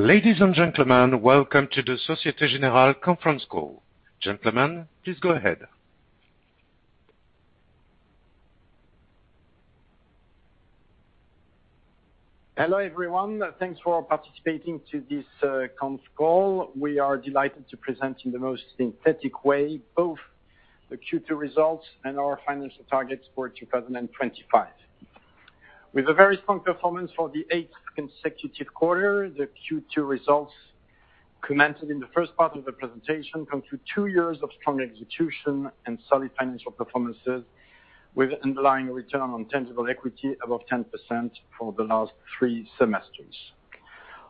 Ladies and gentlemen, welcome to the Société Générale conference call. Gentlemen, please go ahead. Hello, everyone. Thanks for participating in this conference call. We are delighted to present in the most synthetic way both the Q2 results and our financial targets for 2025. With a very strong performance for the eighth consecutive quarter, the Q2 results commented in the first part of the presentation conclude two years of strong execution and solid financial performances, with underlying return on tangible equity above 10% for the last three semesters.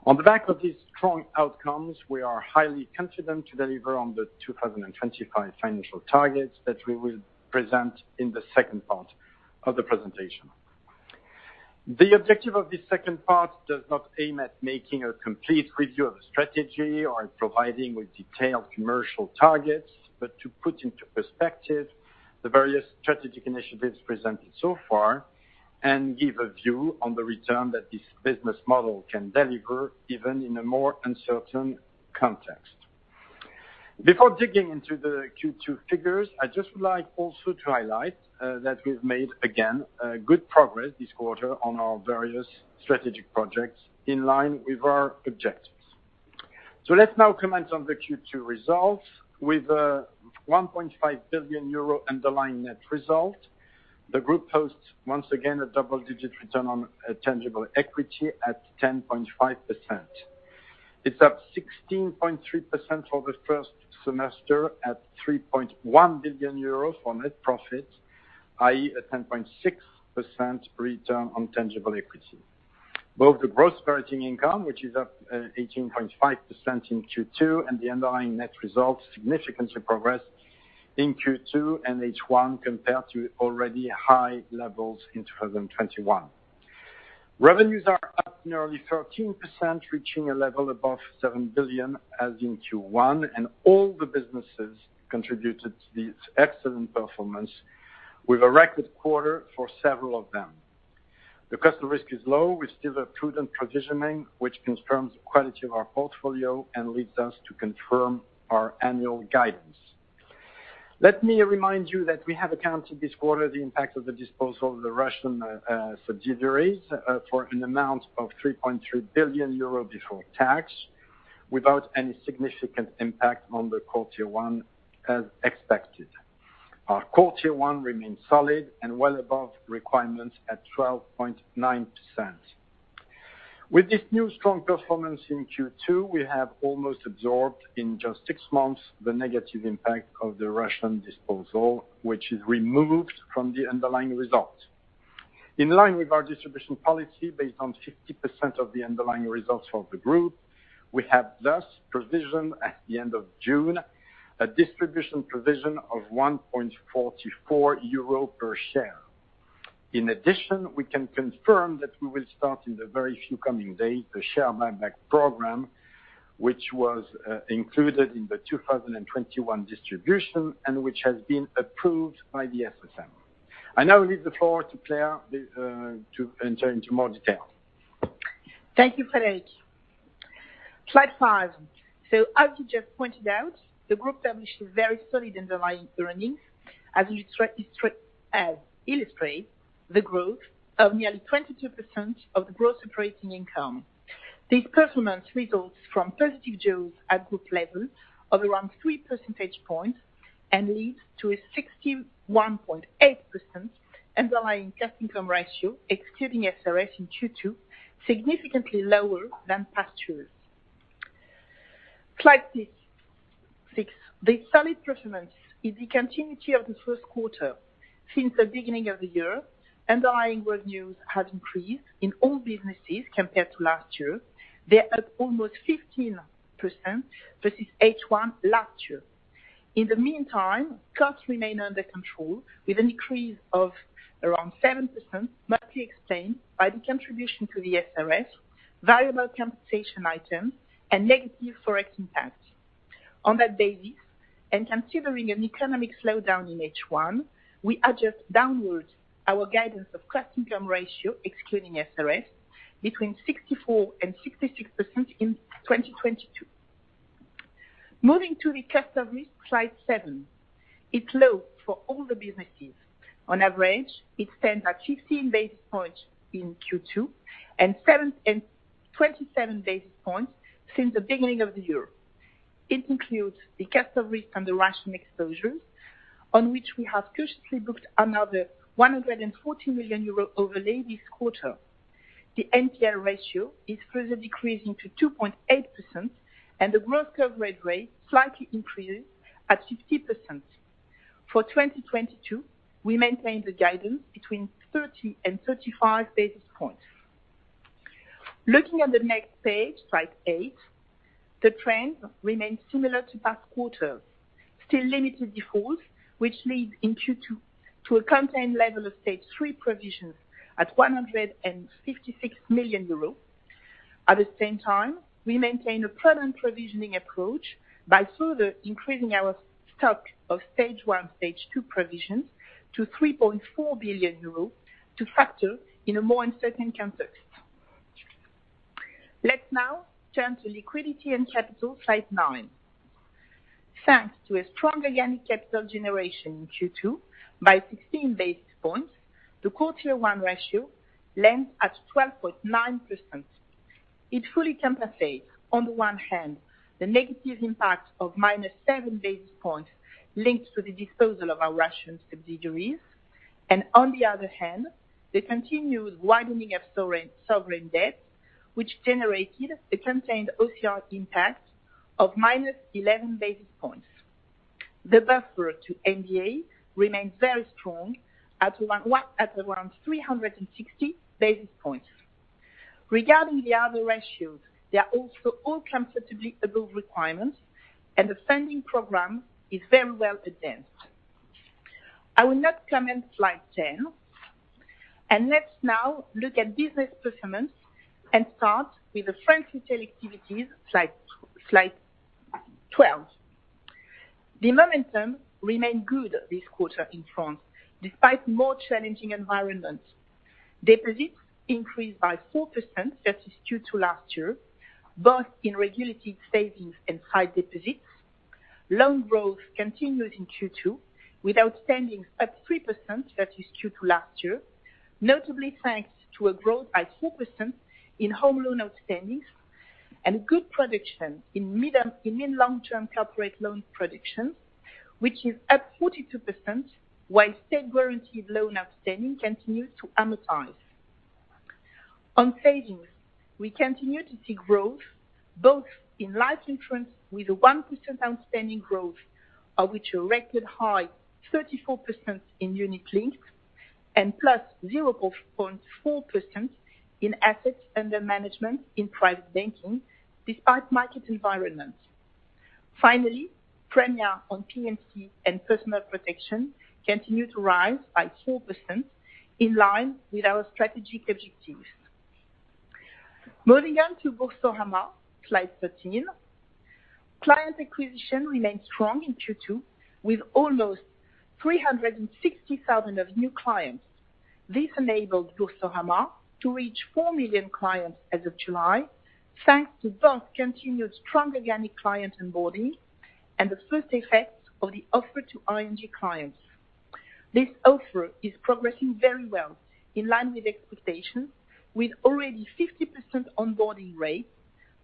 On the back of these strong outcomes, we are highly confident to deliver on the 2025 financial targets that we will present in the second part of the presentation. The objective of this second part does not aim at making a complete review of the strategy or providing with detailed commercial targets, but to put into perspective the various strategic initiatives presented so far and give a view on the return that this business model can deliver, even in a more uncertain context. Before digging into the Q2 figures, I'd just like also to highlight that we've made, again, a good progress this quarter on our various strategic projects in line with our objectives. Let's now comment on the Q2 results with 1.5 billion euro underlying net result. The group hosts once again a double-digit return on tangible equity at 10.5%. It's up 16.3% for the first semester at 3.1 billion euros on net profit, i.e., a 10.6% return on tangible equity. Both the gross operating income, which is up 18.5% in Q2, and the underlying net results significantly progress in Q2 and H1 compared to already high levels in 2021. Revenues are up nearly 13%, reaching a level above 7 billion as in Q1, and all the businesses contributed to this excellent performance with a record quarter for several of them. The customer risk is low. We still have prudent provisioning, which confirms the quality of our portfolio and leads us to confirm our annual guidance. Let me remind you that we have accounted this quarter the impact of the disposal of the Russian subsidiaries for an amount of 3.3 billion euro before tax, without any significant impact on the Core Tier 1 as expected. Our Core Tier 1 remains solid and well above requirements at 12.9%. With this new strong performance in Q2, we have almost absorbed in just six months the negative impact of the Russian disposal, which is removed from the underlying results. In line with our distribution policy based on 50% of the underlying results for the group, we have thus provisioned at the end of June a distribution provision of 1.44 euro per share. In addition, we can confirm that we will start in the very few coming days the share buyback program, which was included in the 2021 distribution and which has been approved by the SSM. I now leave the floor to Claire to enter into more detail. Thank you, Frédéric. Slide five. As you just pointed out, the group established a very solid underlying earnings, as illustrated the growth of nearly 22% of the gross operating income. This performance results from positive yields at group level of around 3 percentage points and leads to a 61.8% underlying cost income ratio, excluding SRF in Q2, significantly lower than past years. Slide six. The solid performance is the continuity of the Q1. Since the beginning of the year, underlying revenues have increased in all businesses compared to last year. They are up almost 15% versus H1 last year. In the meantime, costs remain under control with a decrease of around 7%, mostly explained by the contribution to the SRF, variable compensation item, and negative Forex impact. On that basis, considering an economic slowdown in H1, we adjust downwards our guidance of cost income ratio, excluding SRF, between 64% and 66% in 2022. Moving to the customer risk, slide seven. It's low for all the businesses. On average, it stands at 15 basis points in Q2, and 7 and 27 basis points since the beginning of the year. It includes the customer risk and the Russian exposure, on which we have cautiously booked another 140 million euros overlay this quarter. The NPL ratio is further decreasing to 2.8%, and the growth coverage rate slightly increases at 50%. For 2022, we maintain the guidance between 30 and 35 basis points. Looking at the next page, slide eight, the trend remains similar to past quarters. Still limited defaults, which leads in Q2 to a contained level of stage 3 provisions at 156 million euros. At the same time, we maintain a prudent provisioning approach by further increasing our stock of stage 1, stage 2 provisions to 3.4 billion euros to factor in a more uncertain context. Let's now turn to liquidity and capital, slide nine. Thanks to a strong organic capital generation in Q2 by 16 basis points, the CET1 ratio ends at 12.9%. It fully compensates, on the one hand, the negative impact of -7 basis points linked to the disposal of our Russian subsidiaries and on the other hand, the continued widening of sovereign debt, which generated a contained OCI impact of -11 basis points. The buffer to MDA remains very strong at around 360 basis points. Regarding the other ratios, they are also all comfortably above requirements and the funding program is very well advanced. I will not comment slide 10. Let's now look at business performance and start with the French retail activities, slide 12. The momentum remained good this quarter in France, despite more challenging environments. Deposits increased by 4% versus Q2 last year, both in regulated savings and high deposits. Loan growth continued in Q2, with outstanding up 3% versus Q2 last year, notably thanks to a growth by 4% in home loan outstanding and good production in mid-long term corporate loan production, which is up 42% while state guaranteed loan outstanding continued to amortize. On savings, we continue to see growth both in life insurance with a 1% outstanding growth, of which a record high 34% in unit-linked and plus 0.4% in assets under management in private banking despite market environment. Premium on P&C and personal protection continued to rise by 4% in line with our strategic objectives. Moving on to Boursorama, slide 13. Client acquisition remained strong in Q2 with almost 360,000 new clients. This enabled Boursorama to reach 4 million clients as of July, thanks to both continued strong organic client onboarding and the first effects of the offer to ING clients. This offer is progressing very well in line with expectations, with already 50% onboarding rate,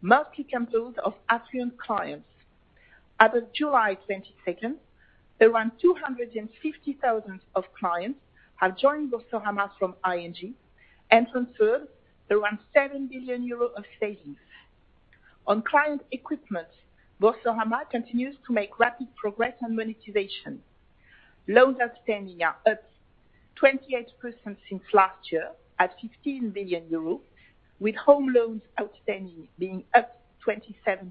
mostly composed of premium clients. As of July 22, around 250,000 of clients have joined Boursorama from ING and transferred around 7 billion euro of savings. On client equipment, Boursorama continues to make rapid progress on monetization. Loans outstanding are up 28% since last year at 15 billion euros, with home loans outstanding being up 27%.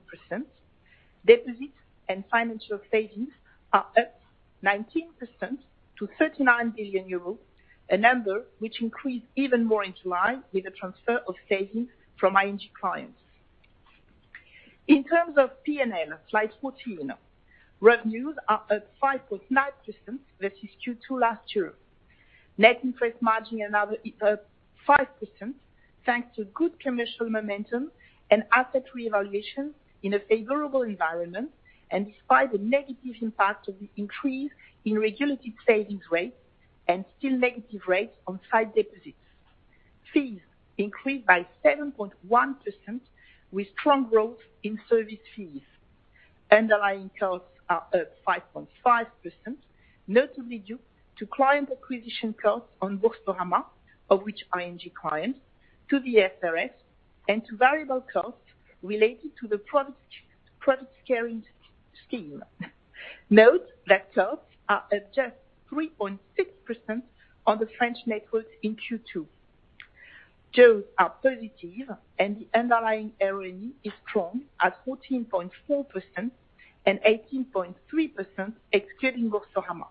Deposits and financial savings are up 19% to 39 billion euros, a number which increased even more in July with the transfer of savings from ING clients. In terms of P&L, slide 14, revenues are at 5.9% versus Q2 last year. Net interest margin another 5%, thanks to good commercial momentum and asset reevaluation in a favorable environment, and despite the negative impact of the increase in regulated savings rates and still negative rates on sight deposits. Fees increased by 7.1% with strong growth in service fees. Underlying costs are up 5.5%, notably due to client acquisition costs on Boursorama, including the transfer of ING clients to the FRB and to variable costs related to the product sharing scheme. Note that costs are at just 3.6% on the French network in Q2. Those are positive and the underlying ROE is strong at 14.4% and 18.3% excluding Boursorama.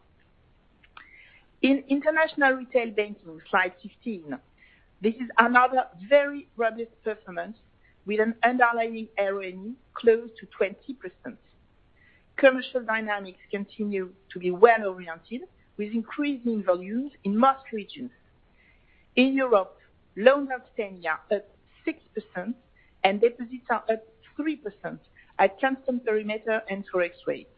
In International Retail Banking, slide 15, this is another very robust performance with an underlying ROE close to 20%. Commercial dynamics continue to be well-oriented with increasing volumes in most regions. In Europe, loans outstanding are up 6% and deposits are up 3% at constant perimeter and forex rates.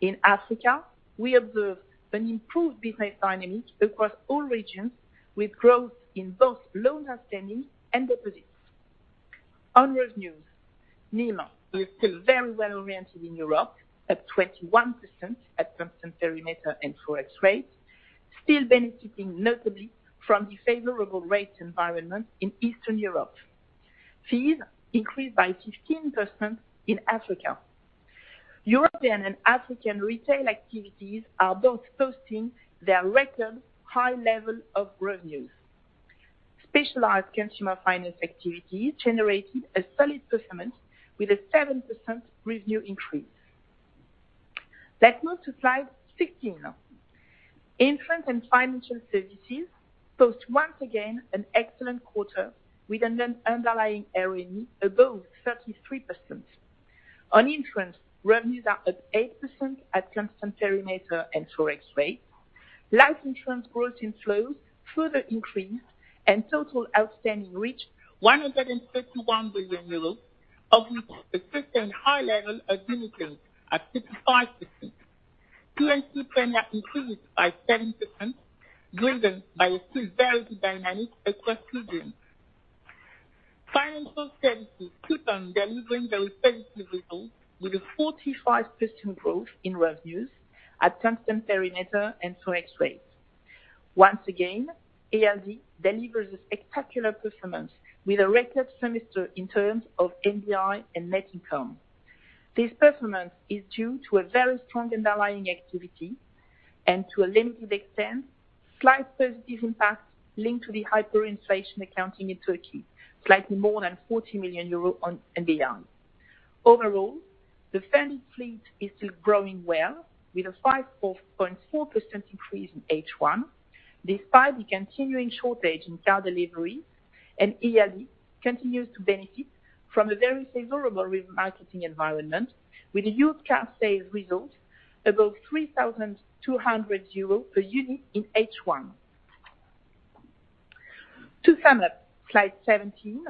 In Africa, we observe an improved business dynamic across all regions with growth in both loans outstanding and deposits. On revenues, NII is still very well-oriented in Europe at 21% at constant perimeter and forex rates, still benefiting notably from the favorable rate environment in Eastern Europe. Fees increased by 15% in Africa. European and African retail activities are both posting their record high level of revenues. Specialized consumer finance activities generated a solid performance with a 7% revenue increase. Let's move to slide 16. Insurance and financial services post once again an excellent quarter with an underlying ROE above 33%. On insurance, revenues are up 8% at constant perimeter and forex rate. Life insurance growth in flows further increased and total outstanding reached 131 billion euros, of which a sustained high level of new business at 55%. P&C premium increased by 7%, driven by a positive dynamic across regions. Financial Services keep on delivering very positive results with a 45% growth in revenues at constant perimeter and Forex rates. Once again, ALD delivers a spectacular performance with a record semester in terms of NBI and net income. This performance is due to a very strong underlying activity and to a limited extent, slight positive impact linked to the hyperinflation accounting in Turkey, slightly more than 40 million euros on NBI. Overall, the fleet is still growing well with a 5.4% increase in H1, despite the continuing shortage in car delivery, and ALD continues to benefit from a very favorable remarketing environment with a used car sales result above 3,200 euros per unit in H1. To sum up, slide 17.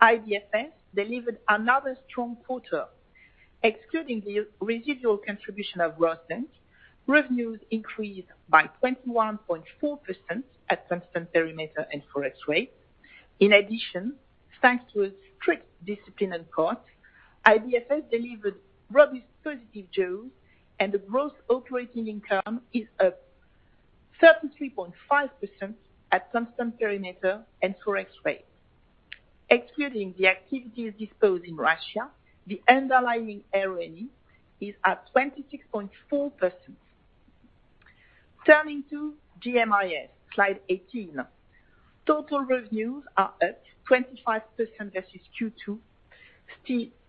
IBFS delivered another strong quarter, excluding the residual contribution of Rosbank. Revenues increased by 21.4% at constant perimeter and Forex rate. In addition, thanks to a strict discipline on cost, IBFS delivered robust positive yield, and the gross operating income is up 33.5% at constant perimeter and Forex rate. Excluding the activities disposed in Russia, the underlying RME is at 26.4%. Turning to GBIS, slide 18. Total revenues are up 25% versus Q2,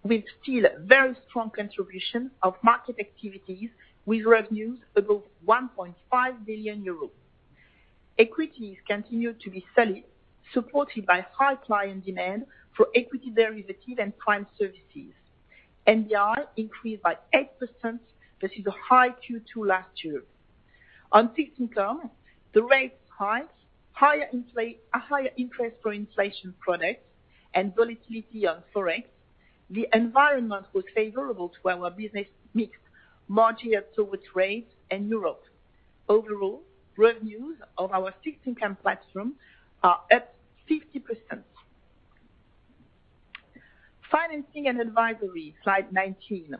with still very strong contribution of market activities with revenues above 1.5 billion euros. Equities continued to be solid, supported by high client demand for equity derivatives and prime services. NBI increased by 8%. This is higher than Q2 last year. On fixed income, the rate hikes, higher interest for inflation products and volatility on Forex, the environment was favorable to our business mix margin towards rates and Europe. Overall, revenues of our fixed income platform are up 50%. Financing and advisory, slide 19.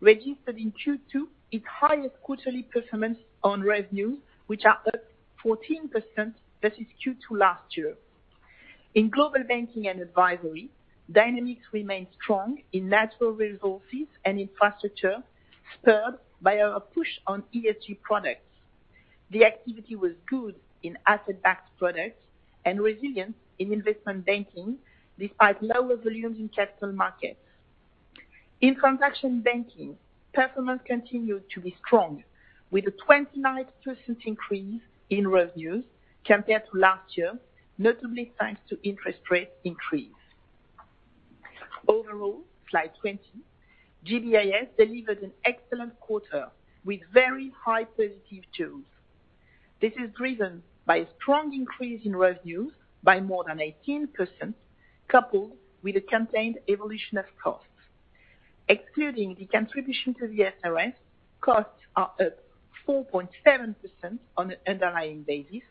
Registered in Q2, its highest quarterly performance on revenue, which are up 14% versus Q2 last year. In global banking and advisory, dynamics remain strong in natural resources and infrastructure, spurred by our push on ESG products. The activity was good in asset-backed products and resilient in investment banking, despite lower volumes in capital markets. In transaction banking, performance continued to be strong with a 29% increase in revenues compared to last year, notably thanks to interest rate increase. Overall, slide 20. GBIS delivered an excellent quarter with very high positive yields. This is driven by a strong increase in revenues by more than 18%, coupled with a contained evolution of costs. Excluding the contribution to the SRF, costs are up 4.7% on an underlying basis,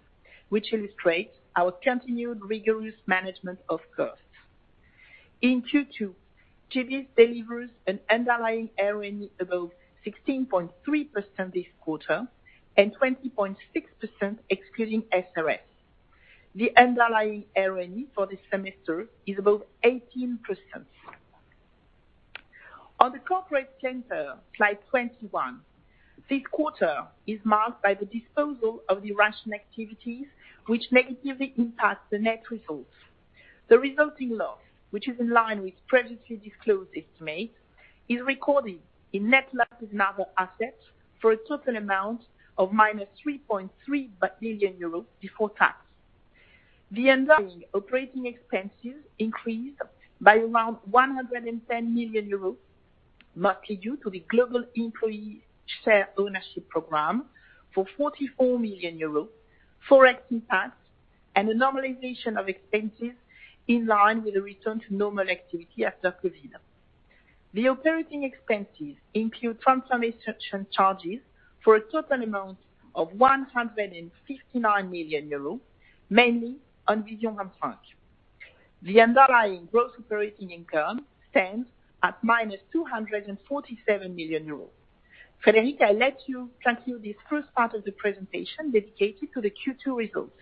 which illustrates our continued rigorous management of costs. In Q2, GBIS delivers an underlying RONE above 16.3% this quarter and 20.6% excluding SRF. The underlying RONE for this semester is above 18%. On the corporate center, slide 21. This quarter is marked by the disposal of the Russian activities, which negatively impacts the net results. The resulting loss, which is in line with previously disclosed estimates, is recorded in net losses in other assets for a total amount of -3.3 billion euros before tax. The underlying operating expenses increased by around 110 million euros, mostly due to the Global Employee Share Ownership program for EUR 44 million, Forex impact, and a normalization of expenses in line with the return to normal activity after COVID. The operating expenses include transformation charges for a total amount of 159 million euros, mainly on Vision Grand France. The underlying gross operating income stands at -247 million euros. Frédéric, I let you conclude this first part of the presentation dedicated to the Q2 results.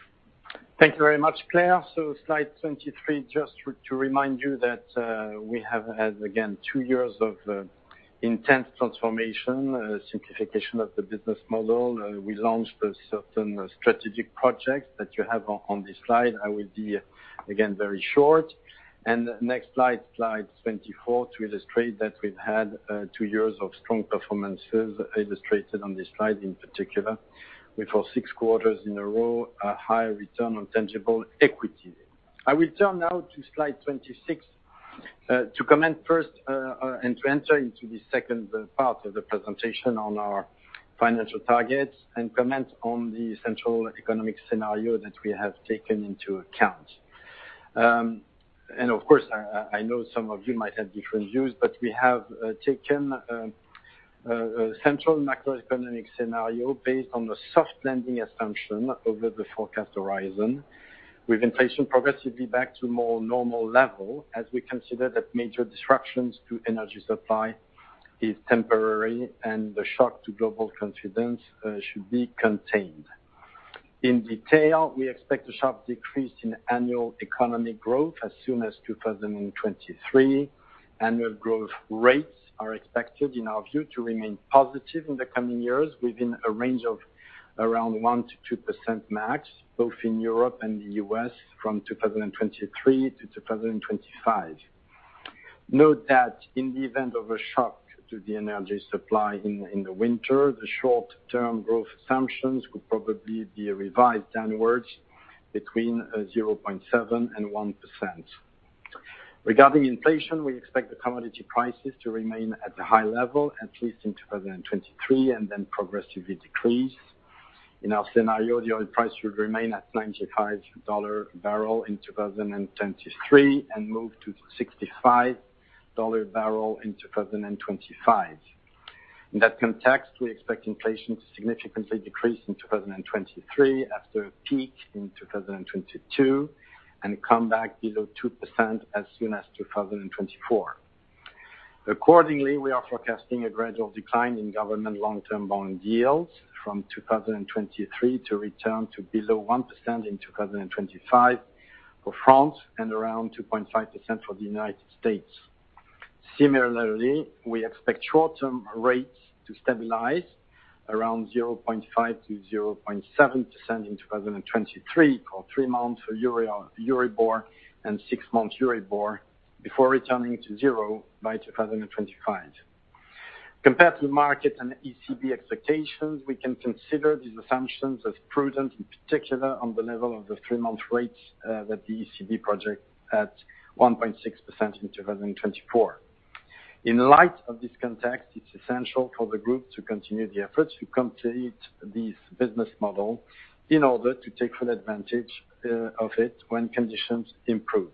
Thank you very much, Claire. Slide 23, just to remind you that we have had again two years of intense transformation, simplification of the business model. We launched certain strategic projects that you have on this slide. I will be again very short. Next slide 24, to illustrate that we've had two years of strong performances illustrated on this slide in particular, with for six quarters in a row, a higher return on tangible equity. I will turn now to slide 26 to comment first and to enter into the second part of the presentation on our financial targets and comment on the central economic scenario that we have taken into account. Of course I know some of you might have different views, but we have taken a central macroeconomic scenario based on the soft landing assumption over the forecast horizon, with inflation progressively back to more normal level as we consider that major disruptions to energy supply is temporary and the shock to global confidence should be contained. In detail, we expect a sharp decrease in annual economic growth as soon as 2023. Annual growth rates are expected, in our view, to remain positive in the coming years within a range of around 1%-2% max, both in Europe and the U.S. from 2023 to 2025. Note that in the event of a shock to the energy supply in the winter, the short-term growth assumptions could probably be revised downwards between 0.7% and 1%. Regarding inflation, we expect the commodity prices to remain at a high level, at least in 2023, and then progressively decrease. In our scenario, the oil price would remain at $95 a barrel in 2023 and move to $65 a barrel in 2025. In that context, we expect inflation to significantly decrease in 2023 after a peak in 2022, and come back below 2% as soon as 2024. Accordingly, we are forecasting a gradual decline in government long-term bond yields from 2023 to return to below 1% in 2025 for France and around 2.5% for the United States. Similarly, we expect short-term rates to stabilize around 0.5%-0.7% in 2023 for 3-month Euribor and 6-month Euribor before returning to 0% by 2025. Compared to market and ECB expectations, we can consider these assumptions as prudent, in particular on the level of the three-month rates, that the ECB project at 1.6% in 2024. In light of this context, it's essential for the group to continue the efforts to complete this business model in order to take full advantage of it when conditions improve.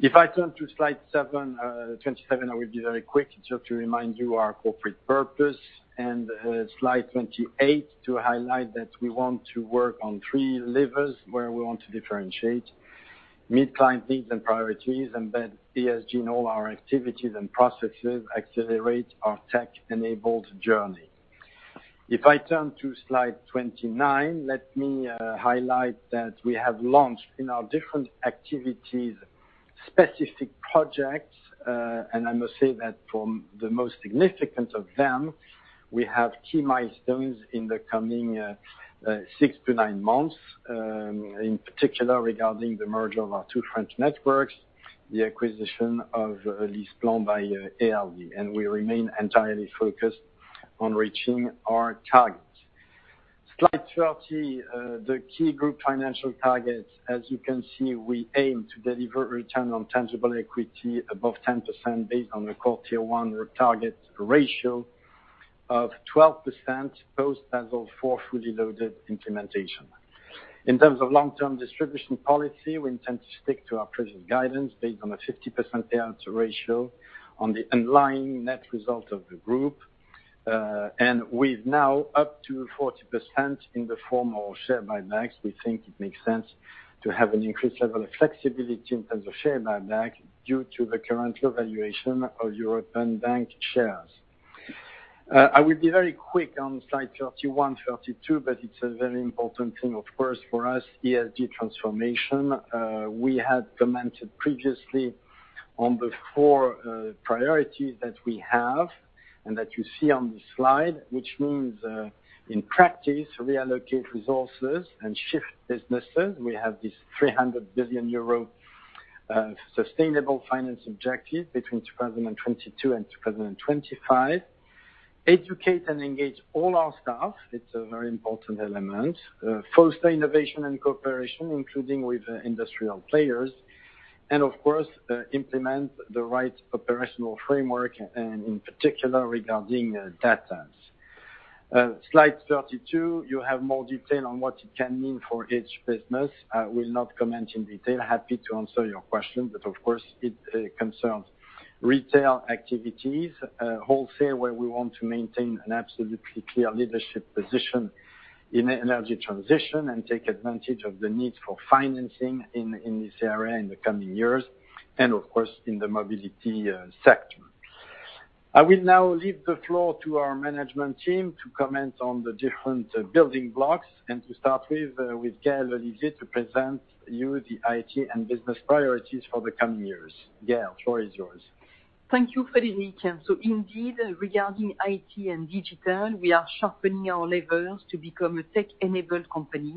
If I turn to slide seven, 27, I will be very quick just to remind you our corporate purpose and slide 28 to highlight that we want to work on three levers where we want to differentiate, meet client needs and priorities, embed ESG in all our activities and processes, accelerate our tech-enabled journey. If I turn to slide 29, let me highlight that we have launched in our different activities specific projects and I must say that from the most significant of them, we have key milestones in the coming 6 to 9 months, in particular regarding the merger of our two French networks, the acquisition of LeasePlan by ALD, and we remain entirely focused on reaching our targets. Slide 30, the key group financial targets. As you can see, we aim to deliver return on tangible equity above 10% based on the Core Tier 1 target ratio of 12% post tax of 4 fully loaded implementation. In terms of long-term distribution policy, we intend to stick to our present guidance based on a 50% payout ratio on the underlying net result of the group, and with now up to 40% in the form of share buybacks. We think it makes sense to have an increased level of flexibility in terms of share buyback due to the current valuation of European bank shares. I will be very quick on slide 31, 32, but it's a very important thing, of course, for us, ESG transformation. We had commented previously on the 4 priorities that we have and that you see on the slide, which means, in practice, reallocate resources and shift businesses. We have this 300 billion euro sustainable finance objective between 2022 and 2025. Educate and engage all our staff. It's a very important element. Foster innovation and cooperation, including with industrial players. Of course, implement the right operational framework and in particular regarding data. Slide 32, you have more detail on what it can mean for each business. I will not comment in detail. Happy to answer your question, but of course it concerns retail activities, wholesale, where we want to maintain an absolutely clear leadership position in energy transition and take advantage of the need for financing in this area in the coming years, and of course, in the mobility sector. I will now leave the floor to our management team to comment on the different building blocks and to start with Gaëlle Olivier to present you the IT and business priorities for the coming years. Gaëlle, floor is yours. Thank you, Frédéric. Indeed, regarding IT and digital, we are sharpening our levers to become a tech-enabled company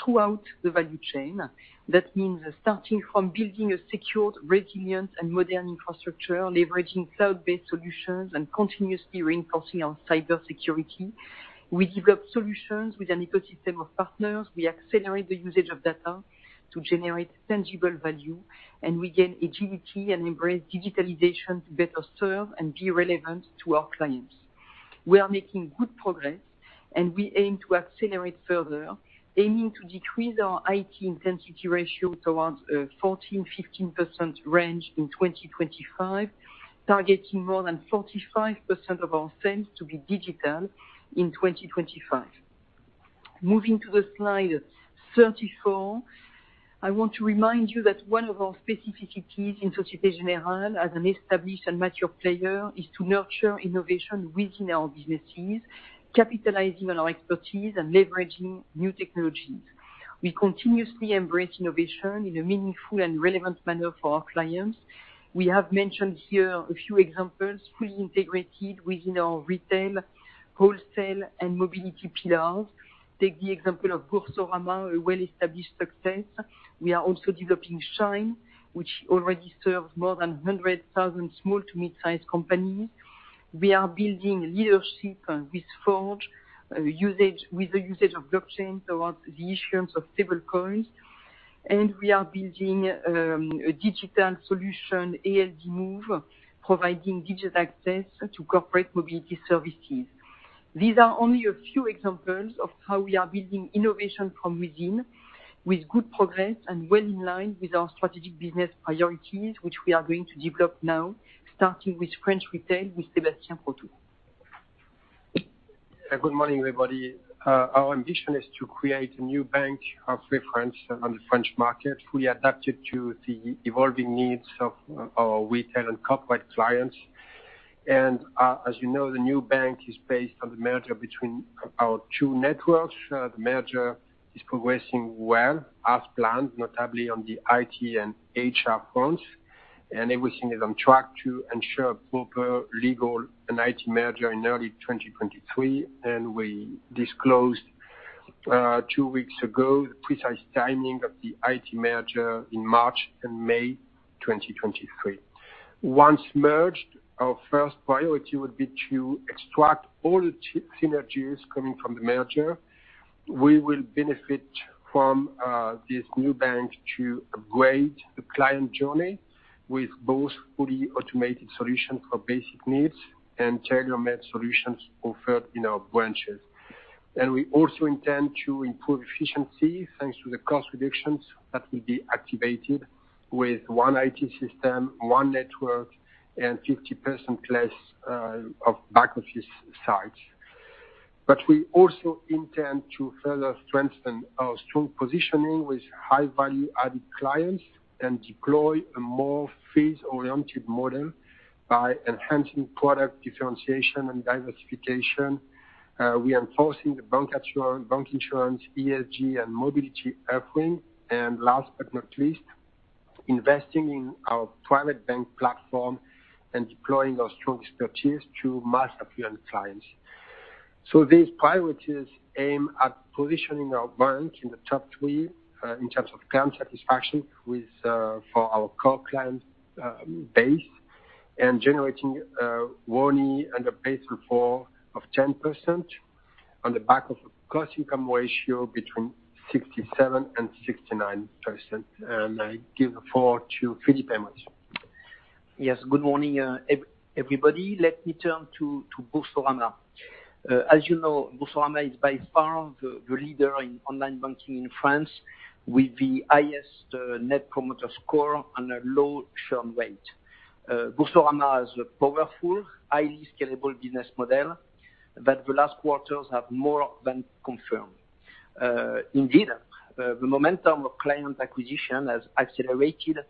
throughout the value chain. That means starting from building a secured, resilient and modern infrastructure, leveraging cloud-based solutions, and continuously reinforcing our cybersecurity. We develop solutions with an ecosystem of partners. We accelerate the usage of data to generate tangible value, and we gain agility and embrace digitalization to better serve and be relevant to our clients. We are making good progress, and we aim to accelerate further, aiming to decrease our IT intensity ratio towards 14-15% range in 2025, targeting more than 45% of our sales to be digital in 2025. Moving to the slide 34, I want to remind you that one of our specificities in Société Générale as an established and mature player is to nurture innovation within our businesses, capitalizing on our expertise and leveraging new technologies. We continuously embrace innovation in a meaningful and relevant manner for our clients. We have mentioned here a few examples fully integrated within our retail, wholesale, and mobility pillars. Take the example of Boursorama, a well-established success. We are also developing Shine, which already serves more than 100,000 small to mid-sized companies. We are building leadership with FORGE, with the usage of blockchain towards the issuance of stablecoins. We are building a digital solution, ALD Move, providing digital access to corporate mobility services. These are only a few examples of how we are building innovation from within, with good progress and well in line with our strategic business priorities, which we are going to develop now, starting with French retail with Sébastien Proto. Good morning, everybody. Our ambition is to create a new bank of reference on the French market, fully adapted to the evolving needs of our retail and corporate clients. As you know, the new bank is based on the merger between our two networks. The merger is progressing well as planned, notably on the IT and HR fronts. Everything is on track to ensure proper legal and IT merger in early 2023. We disclosed two weeks ago the precise timing of the IT merger in March and May 2023. Once merged, our first priority would be to extract all the synergies coming from the merger. We will benefit from this new bank to upgrade the client journey with both fully automated solutions for basic needs and tailor-made solutions offered in our branches. We also intend to improve efficiency, thanks to the cost reductions that will be activated with one IT system, one network, and 50% less of back office sites. We also intend to further strengthen our strong positioning with high-value-added clients and deploy a more fees-oriented model by enhancing product differentiation and diversification. We are enforcing the bancassurance, ESG and mobility offering. Last but not least, investing in our private bank platform and deploying our strong expertise to mass affluent clients. These priorities aim at positioning our bank in the top three in terms of client satisfaction for our core client base and generating ROAE and a base return of 10% on the back of cost income ratio between 67% and 69%. I give the floor to Philippe Aymerich. Yes. Good morning, everybody. Let me turn to Boursorama. As you know, Boursorama is by far the leader in online banking in France, with the highest net promoter score and a low churn rate. Boursorama is a powerful, highly scalable business model that the last quarters have more than confirmed. Indeed, the momentum of client acquisition has accelerated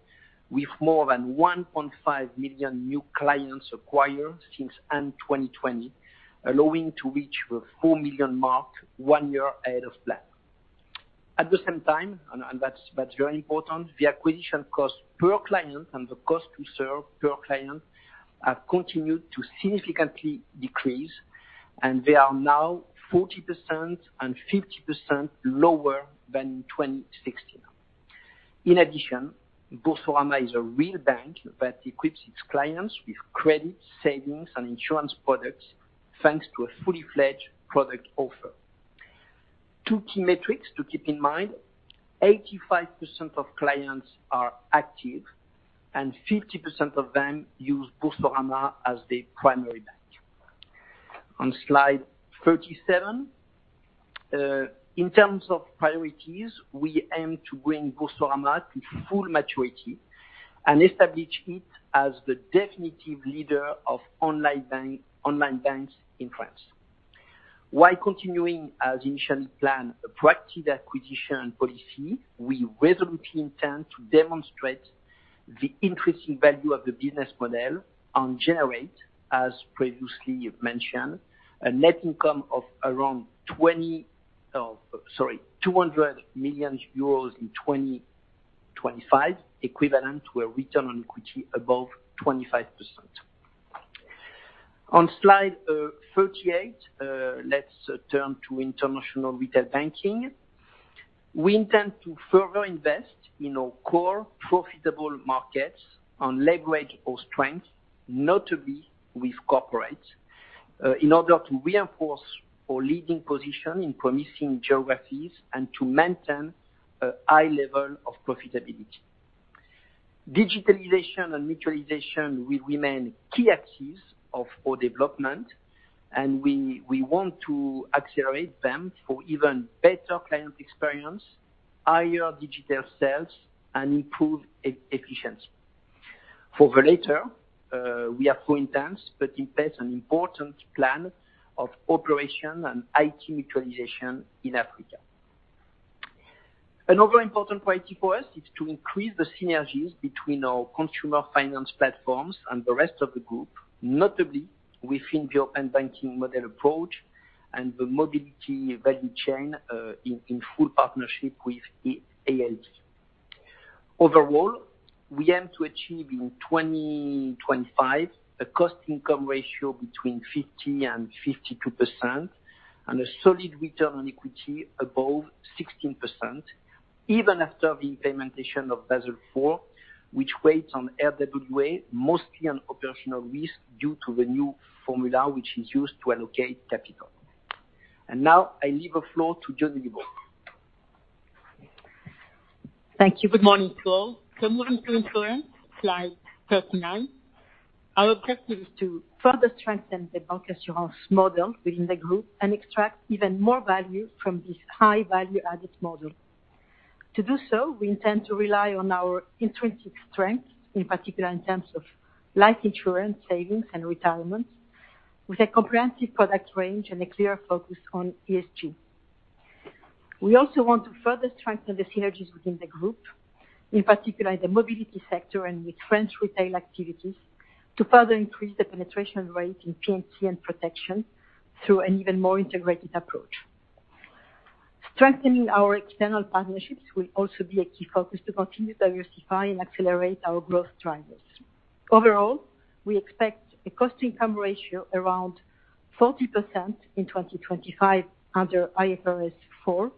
with more than 1.5 million new clients acquired since end-2020, allowing to reach the 4 million mark one year ahead of plan. At the same time, and that's very important, the acquisition cost per client and the cost to serve per client have continued to significantly decrease, and they are now 40% and 50% lower than in 2016. In addition, Boursorama is a real bank that equips its clients with credit, savings, and insurance products, thanks to a fully fledged product offer. Two key metrics to keep in mind: 85% of clients are active, and 50% of them use Boursorama as their primary bank. On slide 37, in terms of priorities, we aim to bring Boursorama to full maturity and establish it as the definitive leader of online banks in France. While continuing as initially planned, a proactive acquisition policy, we resolutely intend to demonstrate the increasing value of the business model and generate, as previously mentioned, a net income of around 200 million euros in 2025, equivalent to a return on equity above 25%. On slide 38, let's turn to international retail banking. We intend to further invest in our core profitable markets and leverage our strength, notably with corporates, in order to reinforce our leading position in promising geographies and to maintain a high level of profitability. Digitalization and mutualization will remain key axes of our development, and we want to accelerate them for even better client experience, higher digital sales and improved efficiency. For the latter, we are committed, but it takes an important plan of operation and IT mutualization in Africa. Another important priority for us is to increase the synergies between our consumer finance platforms and the rest of the group, notably within the open banking model approach and the mobility value chain, in full partnership with ALD. Overall, we aim to achieve in 2025 a cost-income ratio between 50%-52%, and a solid return on equity above 16%, even after the implementation of Basel IV, which weighs on RWA, mostly on operational risk due to the new formula which is used to allocate capital. Now I leave the floor to Jérôme Grivet. Thank you. Good morning to all. Moving to insurance, slide 39. Our objective is to further strengthen the bancassurance model within the group and extract even more value from this high-value-added model. To do so, we intend to rely on our intrinsic strength, in particular in terms of life insurance, savings and retirement, with a comprehensive product range and a clear focus on ESG. We also want to further strengthen the synergies within the group, in particular the mobility sector and with French retail activities, to further increase the penetration rate in P&C and protection through an even more integrated approach. Strengthening our external partnerships will also be a key focus to continue diversifying and accelerate our growth drivers. Overall, we expect a cost-income ratio around 40% in 2025 under IFRS 4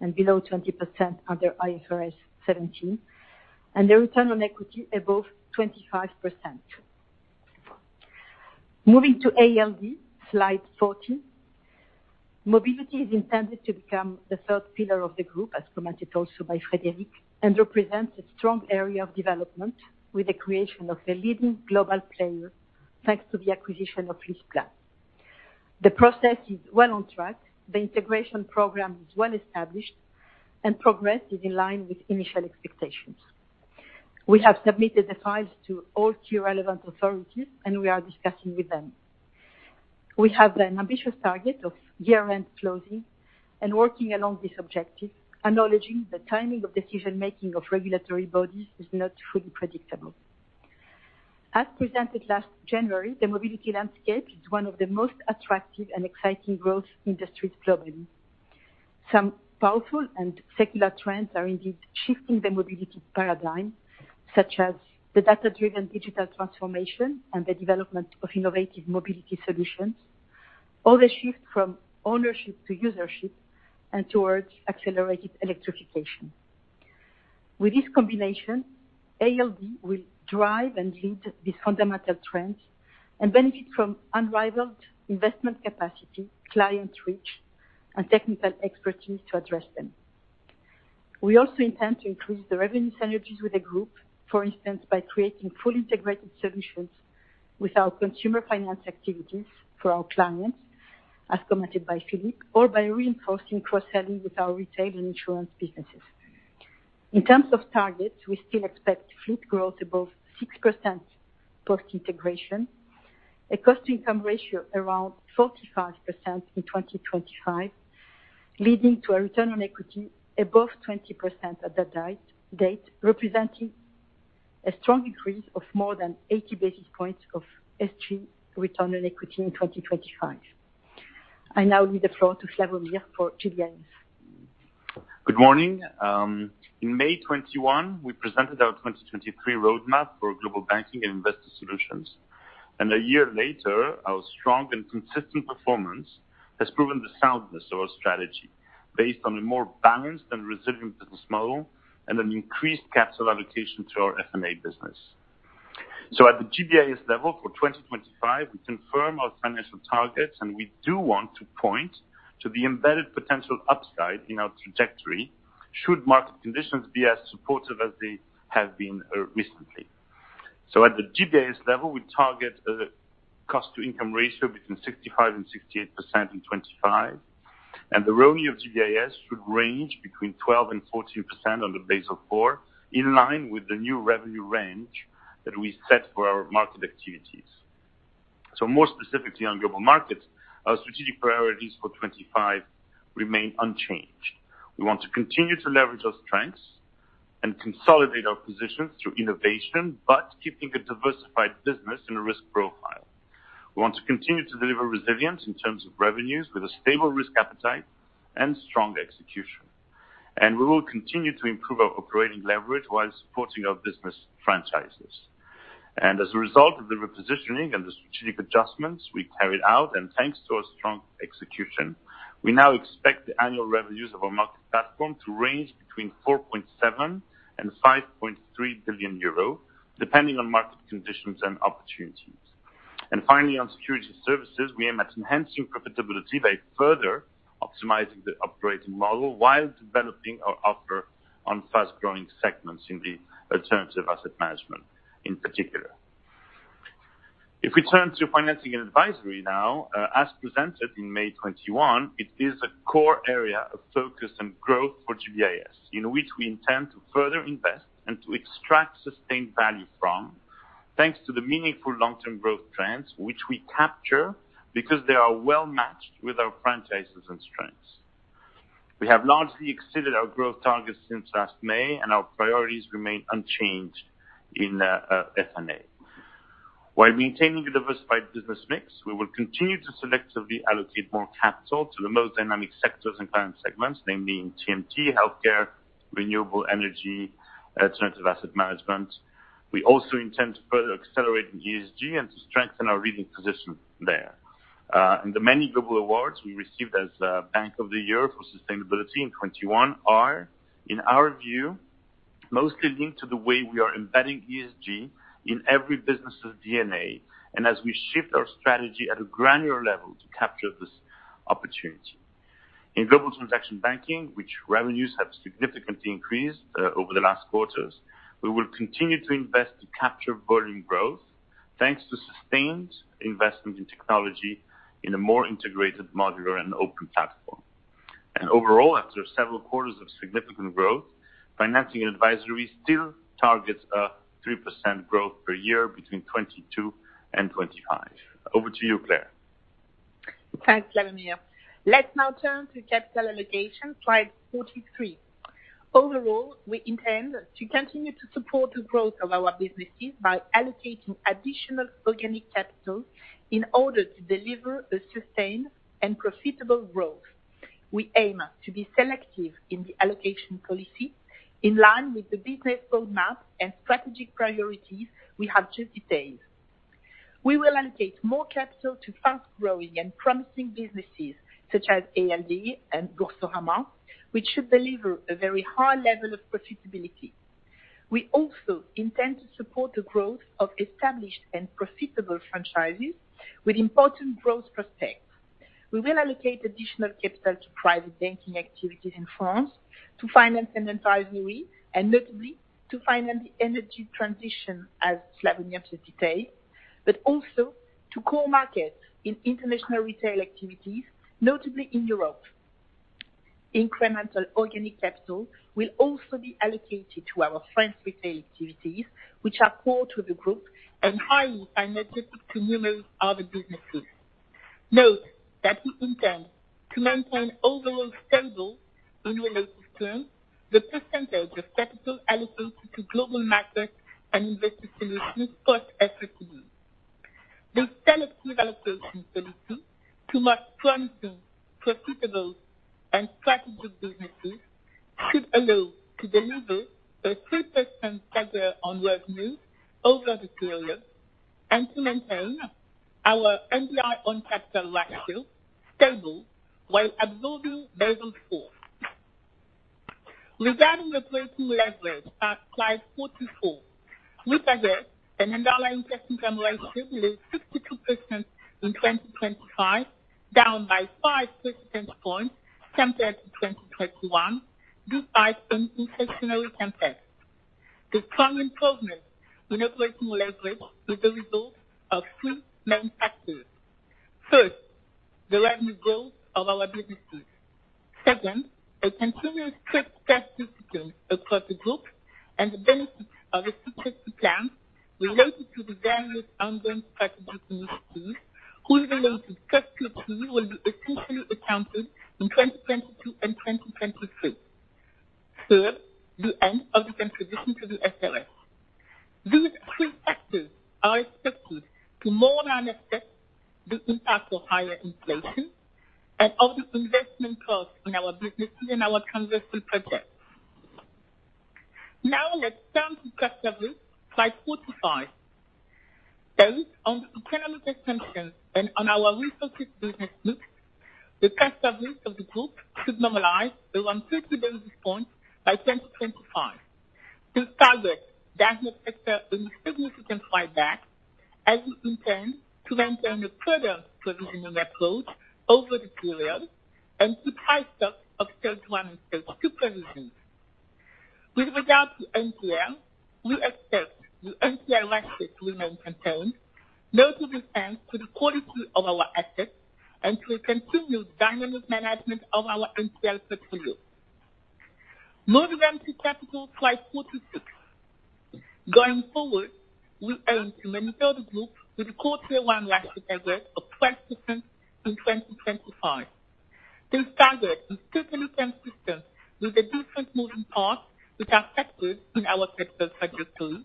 and below 20% under IFRS 17, and a return on equity above 25%. Moving to ALD, slide 40. Mobility is intended to become the third pillar of the group, as commented also by Frédéric, and represents a strong area of development with the creation of the leading global player, thanks to the acquisition of LeasePlan. The process is well on track, the integration program is well established and progress is in line with initial expectations. We have submitted the files to all key relevant authorities, and we are discussing with them. We have an ambitious target of year-end closing and working along this objective, acknowledging the timing of decision-making of regulatory bodies is not fully predictable. As presented last January, the mobility landscape is one of the most attractive and exciting growth industries globally. Some powerful and secular trends are indeed shifting the mobility paradigm, such as the data-driven digital transformation and the development of innovative mobility solutions, or the shift from ownership to usership and towards accelerated electrification. With this combination, ALD will drive and lead these fundamental trends and benefit from unrivaled investment capacity, client reach, and technical expertise to address them. We also intend to increase the revenue synergies with the group, for instance, by creating fully integrated solutions with our consumer finance activities for our clients, as commented by Philippe, or by reinforcing cross-selling with our retail and insurance businesses. In terms of targets, we still expect fleet growth above 6% post-integration, a cost-to-income ratio around 45% in 2025, leading to a return on equity above 20% at that date, representing a strong increase of more than 80 basis points of SG return on equity in 2025. I now leave the floor to Slawomir Krupa for GBIS. Good morning. In May 2021, we presented our 2023 roadmap for global banking and investor solutions. A year later, our strong and consistent performance has proven the soundness of our strategy based on a more balanced and resilient business model and an increased capital allocation to our F&A business. At the GBIS level for 2025, we confirm our financial targets, and we do want to point to the embedded potential upside in our trajectory should market conditions be as supportive as they have been, recently. At the GBIS level, we target a cost-to-income ratio between 65% and 68% in 2025, and the RONE of GBIS should range between 12% and 14% on the Basel IV, in line with the new revenue range that we set for our market activities. More specifically on global markets, our strategic priorities for 25 remain unchanged. We want to continue to leverage our strengths and consolidate our positions through innovation, but keeping a diversified business and a risk profile. We want to continue to deliver resilience in terms of revenues with a stable risk appetite and strong execution. We will continue to improve our operating leverage while supporting our business franchises. As a result of the repositioning and the strategic adjustments we carried out, and thanks to our strong execution, we now expect the annual revenues of our market platform to range between 4.7 billion and 5.3 billion euro, depending on market conditions and opportunities. Finally, on securities services, we aim at enhancing profitability by further optimizing the operating model while developing our offer on fast-growing segments in the alternative asset management in particular. If we turn to financing and advisory now, as presented in May 2021, it is a core area of focus and growth for GBIS, in which we intend to further invest and to extract sustained value from, thanks to the meaningful long-term growth trends which we capture because they are well-matched with our franchises and strengths. We have largely exceeded our growth targets since last May, and our priorities remain unchanged in F&A. While maintaining a diversified business mix, we will continue to selectively allocate more capital to the most dynamic sectors and client segments, namely in TMT, healthcare, renewable energy, alternative asset management. We also intend to further accelerate in ESG and to strengthen our leading position there. The many global awards we received as Bank of the Year for Sustainability in 2021 are, in our view, mostly linked to the way we are embedding ESG in every business' DNA, and as we shift our strategy at a granular level to capture this opportunity. In global transaction banking, which revenues have significantly increased over the last quarters, we will continue to invest to capture volume growth, thanks to sustained investment in technology in a more integrated, modular and open platform. Overall, after several quarters of significant growth, financing and advisory still targets a 3% growth per year between 2022 and 2025. Over to you, Claire. Thanks, Slawomir. Let's now turn to capital allocation, slide 43. Overall, we intend to continue to support the growth of our businesses by allocating additional organic capital in order to deliver a sustained and profitable growth. We aim to be selective in the allocation policy in line with the business roadmap and strategic priorities we have just detailed. We will allocate more capital to fast-growing and promising businesses such as ALD and Boursorama, which should deliver a very high level of profitability. We also intend to support the growth of established and profitable franchises with important growth prospects. We will allocate additional capital to private banking activities in France to Financing & Advisory, and notably to finance the energy transition, as Slawomir just detailed, but also to core markets in international retail activities, notably in Europe. Incremental organic capital will also be allocated to our French retail activities, which are core to the group and highly synergistic to numerous other businesses. Note that we intend to maintain overall stable in relative terms, the percentage of capital allocated to Global Banking & Investor Solutions post-SRF. The selective allocation solution to our strongest, profitable, and strategic businesses should allow to deliver a 3% CAGR on revenue over the period, and to maintain our CET1 capital ratio stable while absorbing Basel IV. Regarding the Tier 1 leverage at slide 44, we project an underlying Tier 1 leverage ratio of 62% in 2025, down by 5 percentage points compared to 2021, despite an inflationary context. The strong improvement in operating leverage is the result of three main factors. First, the revenue growth of our businesses. Second, a continuous cost discipline across the group and the benefits of a success plan related to the various ongoing strategic initiatives, whose related cash liquidity will be essentially accounted in 2022 and 2023. Third, the end of the transition to the IFRS. These three factors are expected to more than offset the impact of higher inflation and of the investment costs in our business, in our conversion projects. Now let's turn to cost of risk, slide 45. Based on the economic tensions and on our resilient business mix, the cost of risk of the group should normalize around 30 basis points by 2025. This target does not expect any significant payback, as we intend to maintain a forward provisioning approach over the period and to build stock of stage one and stage two provisions. With regard to NPL, we expect the NPL ratio to remain contained, notably thanks to the quality of our assets and to a continued dynamic management of our NPL portfolio. Moving on to capital, slide 46. Going forward, we aim to maintain the group with a Core Tier 1 ratio target of 12% in 2025. This target is totally consistent with the different moving parts which are factored in our capital trajectory,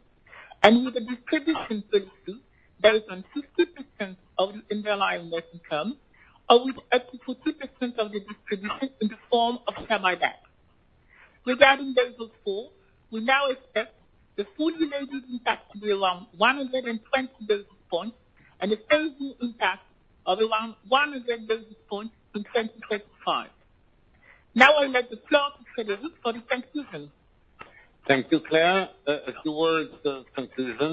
and with a distribution policy based on 50% of the underlying net income, or with up to 50% of the distribution in the form of share buyback. Regarding Basel IV, we now expect the fully loaded impact to be around 120 basis points, and the total impact of around 100 basis points in 2025. Now I'll let the floor to Frédéric Oudéa for the conclusion. Thank you, Claire. A few words of conclusion.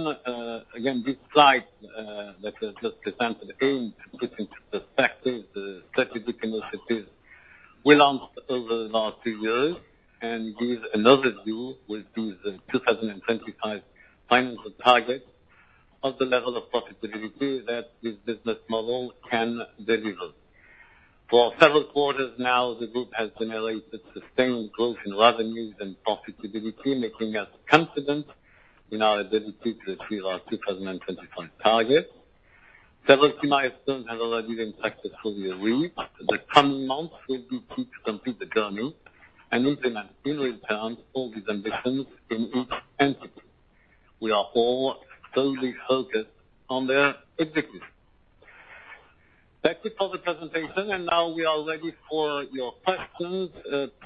Again, this slide that just presented aims to put into perspective the strategic initiatives we launched over the last two years and give an overview with these 2025 financial targets of the level of profitability that this business model can deliver. For several quarters now, the group has delivered sustained growth in revenues and profitability, making us confident in our ability to achieve our 2025 targets. Several key milestones have already been successfully reached. The coming months will be key to complete the journey and implement in turn all these ambitions in each entity. We are all solely focused on their execution. That's it for the presentation, and now we are ready for your questions.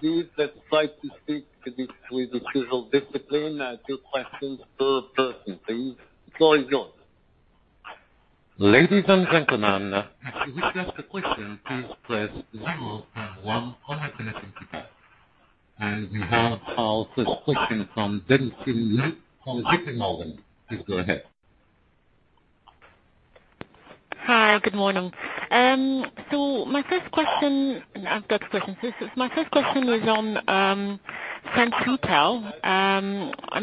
Please let's try to stick to this with the usual discipline, two questions per person, please. The floor is yours. Ladies and gentlemen, if you wish to ask a question, please press star one on your telephone keypad. We have our first question from Delphine Lee from JPMorgan. Please go ahead. Hi, good morning. My first question, I've got two questions. My first question is on French retail. I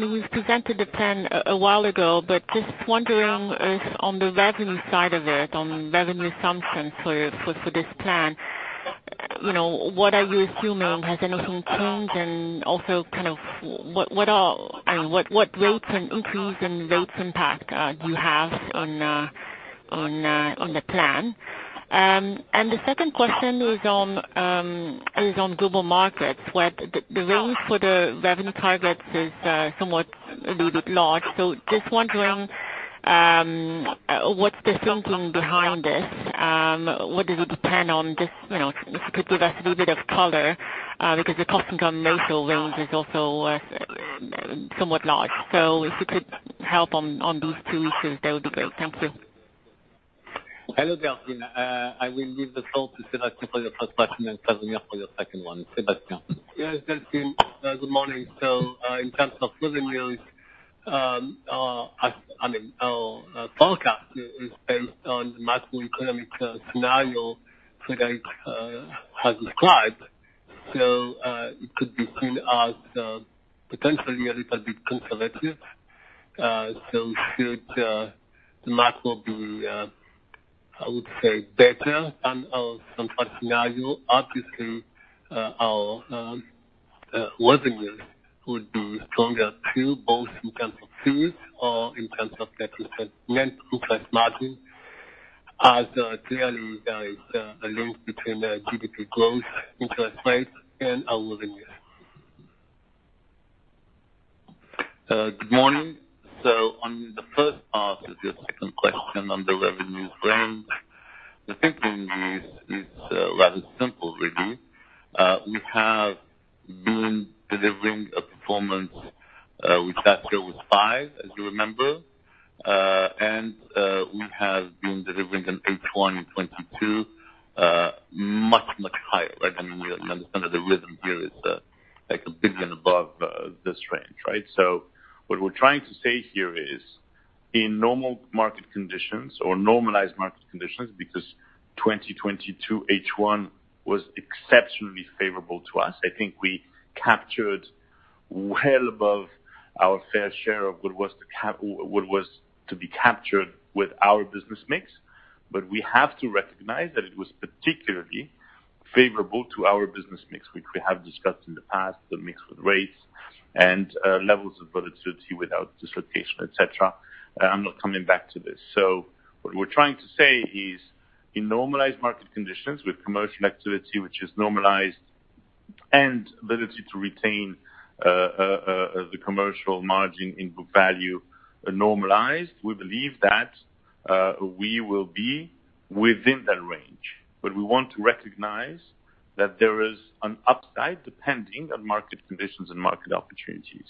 know you've presented the plan a while ago, but just wondering if on the revenue side of it, on revenue assumptions for this plan, you know, what are you assuming? Has anything changed? Also kind of what, I mean, what rates and increase in rates impact do you have on the plan? The second question is on global markets, where the range for the revenue targets is somewhat a little bit large. Just wondering, what's the thinking behind this? What does it depend on this? You know, if you could give us a little bit of color, because the cost income ratio range is also somewhat large. If you could help on those two issues, that would be great. Thank you. Hello, Delphine. I will give the call to Sébastien for your first question and Slawomir for your second one. Sébastien? Yes, Delphine. Good morning. In terms of revenues, I mean, our forecast is based on the macroeconomic scenario Frédéric has described. It could be seen as potentially a little bit conservative. Should the market be, I would say better than some such scenario, obviously, our revenues would be stronger too, both in terms of fees or in terms of net interest margin, as clearly, there is a link between the GDP growth, interest rates, and our revenues. Good morning. On the first part of your second question on the revenues range, the thinking is rather simple, really. We have been delivering a performance, we started with five, as you remember, and we have been delivering in H1 in 2022, much higher. I mean, we understand that the rhythm here is, like 1 billion above, this range, right? What we're trying to say here is, in normal market conditions or normalized market conditions, because 2022 H1 was exceptionally favorable to us, I think we captured well above our fair share of what was to be captured with our business mix. We have to recognize that it was particularly favorable to our business mix, which we have discussed in the past, the mix with rates and levels of volatility without dislocation, et cetera. I'm not coming back to this. What we're trying to say is, in normalized market conditions with commercial activity which is normalized and ability to retain the commercial margin in group value normalized, we believe that we will be within that range. We want to recognize that there is an upside depending on market conditions and market opportunities.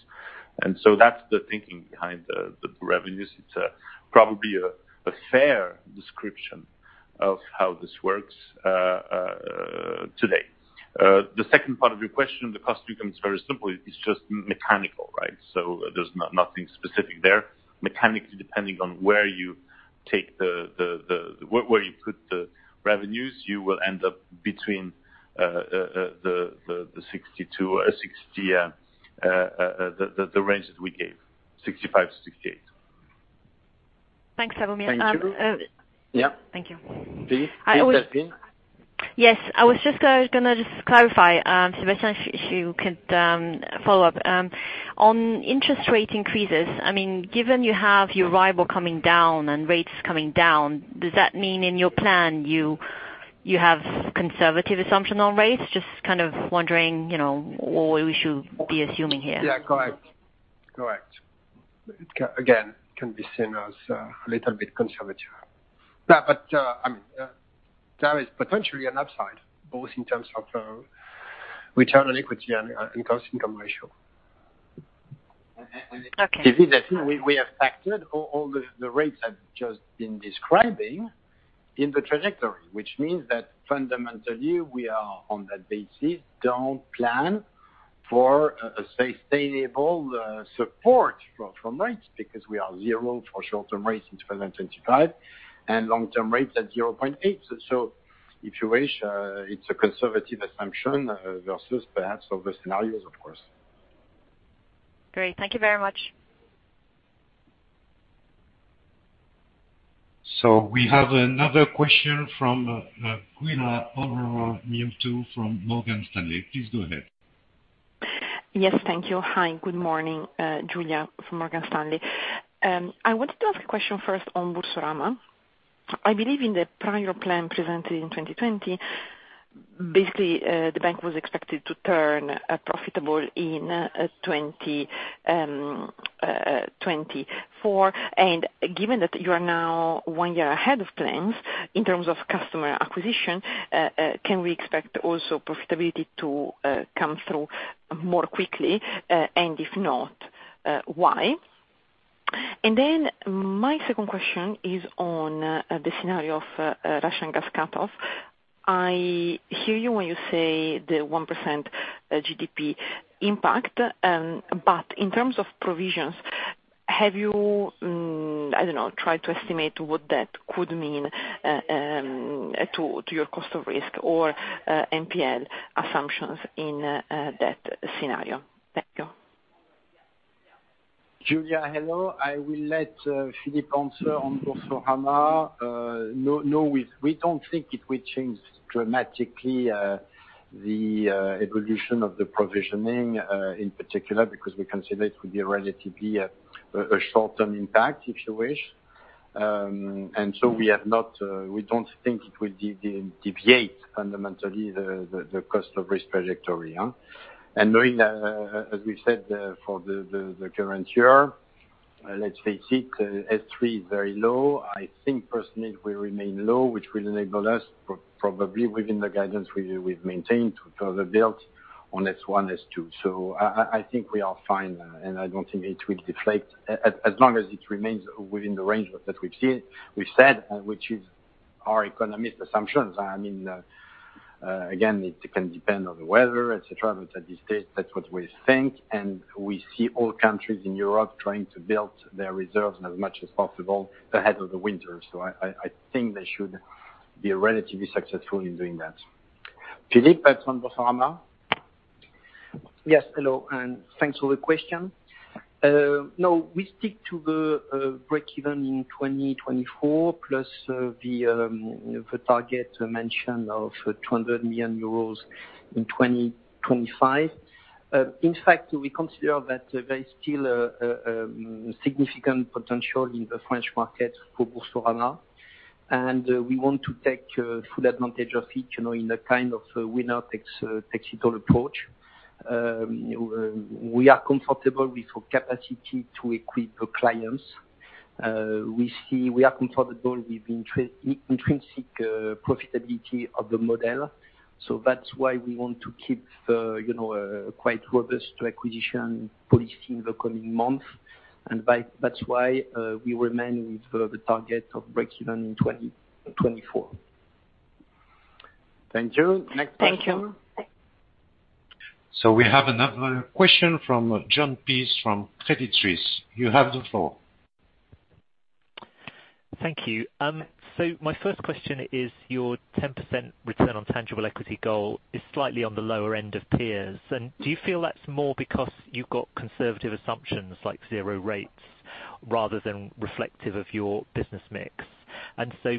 That's the thinking behind the revenues. It's probably a fair description of how this works today. The second part of your question, the costs become very simple. It's just mechanical, right? There's nothing specific there. Mechanically, depending on where you put the revenues, you will end up in the range that we gave, 65-68. Thanks, Slawomir. Thank you. Um, uh- Yeah. Thank you. Please, please Delphine. Yes. I was just gonna just clarify, Sébastien, if you could follow up. On interest rate increases, I mean, given you have your RWA coming down and rates coming down, does that mean in your plan you have conservative assumption on rates? Just kind of wondering, you know, what we should be assuming here. Yeah, correct. It can again be seen as a little bit conservative. Yeah, I mean, there is potentially an upside, both in terms of return on equity and cost income ratio. This is definitely we have factored all the rates I've just been describing in the trajectory, which means that fundamentally we are, on that basis, don't plan for a sustainable support from rates because we are 0% for short-term rates in 2025 and long-term rates at 0.8%. If you wish, it's a conservative assumption versus perhaps other scenarios, of course. Great. Thank you very much. We have another question from Giulia Aurora Miotto from Morgan Stanley. Please go ahead. Yes, thank you. Hi, good morning. Giulia from Morgan Stanley. I wanted to ask a question first on Boursorama. I believe in the prior plan presented in 2020, basically, the bank was expected to turn profitable in 2024. Given that you are now one year ahead of plans in terms of customer acquisition, can we expect also profitability to come through more quickly? If not, why? My second question is on the scenario of Russian gas cutoff. I hear you when you say the 1% GDP impact, but in terms of provisions, have you, I don't know, tried to estimate what that could mean to your cost of risk or NPL assumptions in that scenario? Thank you. Giulia, hello. I will let Philippe answer on Boursorama. No, we don't think it will change dramatically the evolution of the provisioning in particular, because we consider it to be a relatively a short-term impact, if you wish. We don't think it will deviate fundamentally the cost of this trajectory. Knowing that, as we've said, for the current year, let's face it, S3 is very low. I think personally, it will remain low, which will enable us probably within the guidance we've maintained to further build on S1, S2. I think we are fine, and I don't think it will deflate as long as it remains within the range that we've seen, we've said, which is our economist assumptions. I mean, again, it can depend on the weather, et cetera, but at this stage, that's what we think. We see all countries in Europe trying to build their reserves as much as possible ahead of the winter. I think they should be relatively successful in doing that. Philippe, back to Boursorama. Yes, hello, and thanks for the question. No, we stick to the break even in 2024 plus the target mention of 200 million euros in 2025. In fact, we consider that there's still a significant potential in the French market for Boursorama. We want to take full advantage of it, you know, in a kind of winner takes it all approach. We are comfortable with our capacity to equip the clients. We see we are comfortable with the intrinsic profitability of the model. That's why we want to keep a quite robust acquisition policy in the coming months. That's why we remain with the target of break even in 2024. Thank you. Next question. Thank you. We have another question from Jon Peace from Credit Suisse. You have the floor. Thank you. My first question is your 10% return on tangible equity goal is slightly on the lower end of peers. Do you feel that's more because you've got conservative assumptions like zero rates rather than reflective of your business mix?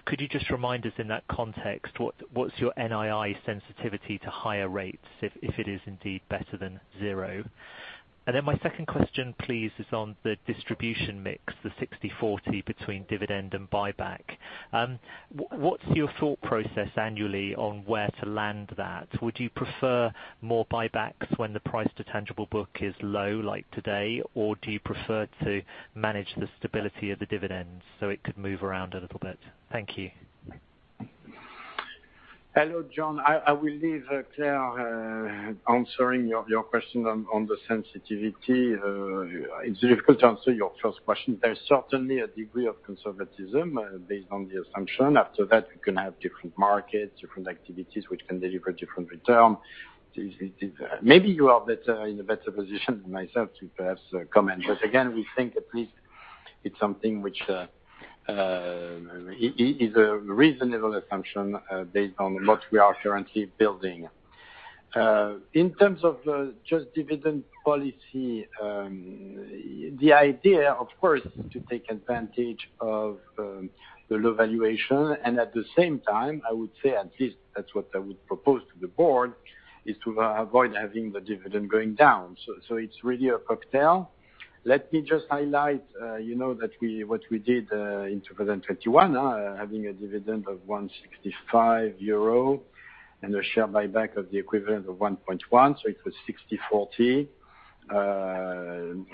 Could you just remind us in that context, what's your NII sensitivity to higher rates if it is indeed better than zero? My second question, please, is on the distribution mix, the 60/40 between dividend and buyback. What's your thought process annually on where to land that? Would you prefer more buybacks when the price to tangible book is low, like today, or do you prefer to manage the stability of the dividends so it could move around a little bit? Thank you. Hello, Jon. I will leave Claire answering your question on the sensitivity. It's difficult to answer your first question. There's certainly a degree of conservatism based on the assumption. After that, you can have different markets, different activities, which can deliver different return. Maybe you are better in a better position than myself to perhaps comment. Again, we think at least it's something which is a reasonable assumption based on what we are currently building. In terms of just dividend policy, the idea, of course, is to take advantage of the low valuation, and at the same time, I would say at least that's what I would propose to the board, is to avoid having the dividend going down. It's really a cocktail. Let me just highlight that what we did in 2021, having a dividend of 1.65 euro and a share buyback of the equivalent of 1.1, so it was 60/40.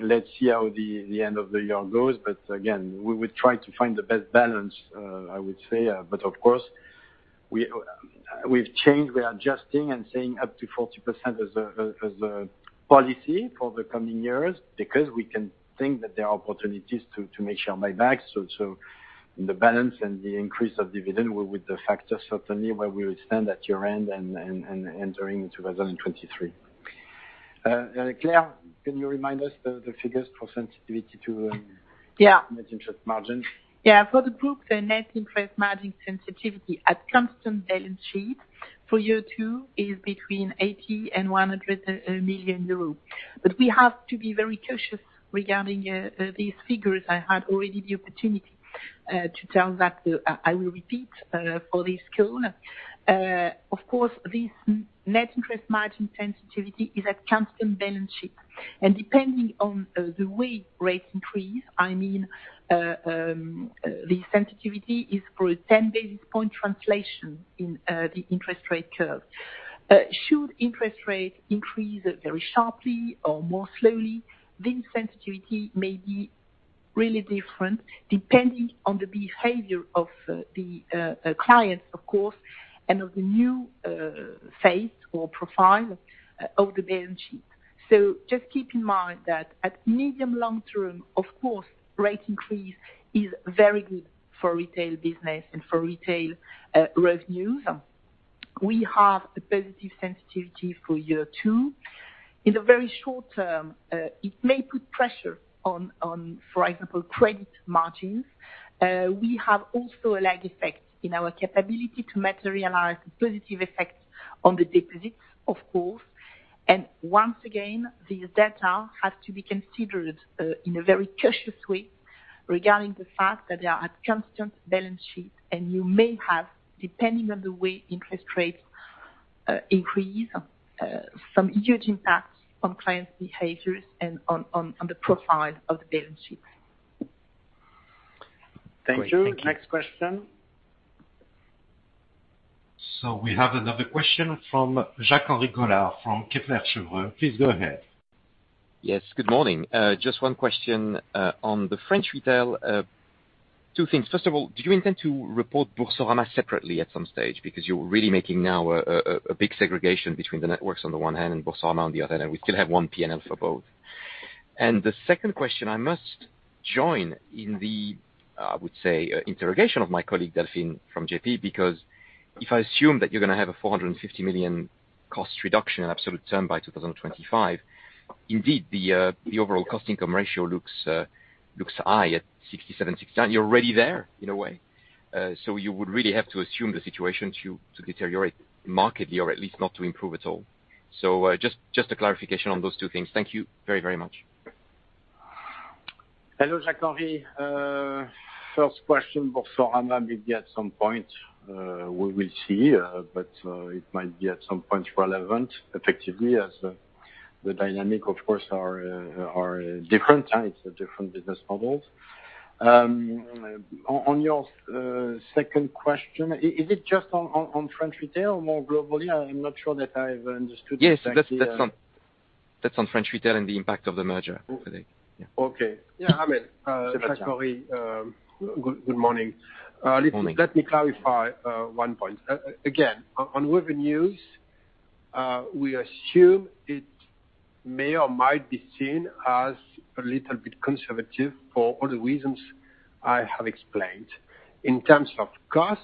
Let's see how the end of the year goes. Again, we will try to find the best balance, I would say. Of course, we've changed, we are adjusting and saying up to 40% as a policy for the coming years because we can think that there are opportunities to make share buy-backs. So in the balance and the increase of dividend will, with the factor certainly where we stand at year-end and entering 2023. Claire, can you remind us the figures for sensitivity to Yeah. Net interest margin. Yeah. For the group, the net interest margin sensitivity at constant balance sheet for year two is between 80 million and 100 million euros. We have to be very cautious regarding these figures. I had already the opportunity to tell that I will repeat for this call. Of course, this net interest margin sensitivity is at constant balance sheet, and depending on the way rates increase, I mean, the sensitivity is for a 10 basis point translation in the interest rate curve. Should interest rates increase very sharply or more slowly, this sensitivity may be really different depending on the behavior of the clients, of course, and of the new face or profile of the balance sheet. Just keep in mind that at medium, long-term, of course, rate increase is very good for retail business and for retail revenues. We have a positive sensitivity for year two. In the very short-term, it may put pressure on, for example, credit margins. We have also a lag effect in our capability to materialize the positive effects on the deposits, of course. Once again, this data has to be considered in a very cautious way regarding the fact that they are at constant balance sheet, and you may have, depending on the way interest rates increase, some huge impacts on clients' behaviors and on the profile of the balance sheet. Thank you. Next question. We have another question from Jacques-Henri Gaulard from Kepler Cheuvreux. Please go ahead. Yes, good morning. Just one question on the French retail. Two things. First of all, do you intend to report Boursorama separately at some stage? Because you're really making now a big segregation between the networks on the one hand and Boursorama on the other, and we still have one P&L for both. The second question, I must join in the interrogation of my colleague, Delphine, from JPMorgan, because if I assume that you're gonna have a 450 million cost reduction in absolute term by 2025, indeed, the overall cost-income ratio looks high at 67%-69%. You're already there in a way. So you would really have to assume the situation to deteriorate markedly, or at least not to improve at all. Just a clarification on those two things. Thank you very, very much. Hello, Jacques-Henri. First question, Boursorama, maybe at some point we will see, but it might be at some point relevant effectively as the dynamics, of course, are different and it's different business models. On your second question, is it just on French retail or more globally? I'm not sure that I've understood exactly. Yes, that's on French retail and the impact of the merger, I think. Yeah. Okay. Yeah, Henri. Sébastien? Jacques-Henri, good morning. Good morning. Let me clarify one point. Again, on revenues, we assume it may or might be seen as a little bit conservative for all the reasons I have explained. In terms of cost,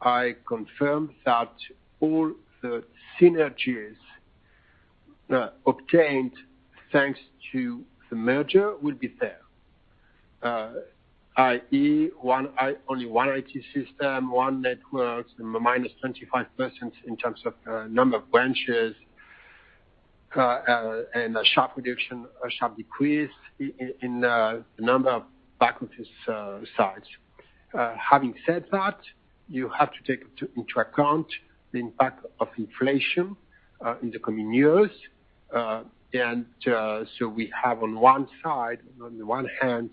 I confirm that all the synergies obtained thanks to the merger will be there. i.e., only one IT system, one network, minus 25% in terms of number of branches, and a sharp reduction or sharp decrease in the number of back office sites. Having said that, you have to take into account the impact of inflation in the coming years. We have on one side, on the one hand,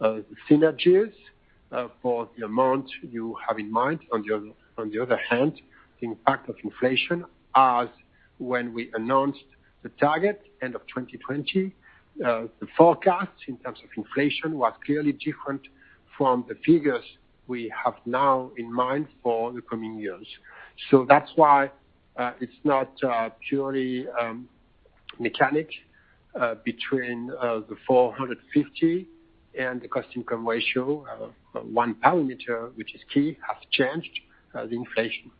the synergies for the amount you have in mind. On the other hand, the impact of inflation has, when we announced the target, end of 2020, the forecast in terms of inflation was clearly different from the figures we have now in mind for the coming years. That's why it's not purely mechanical between the 450 and the cost-income ratio. One parameter which is key has changed, the inflation.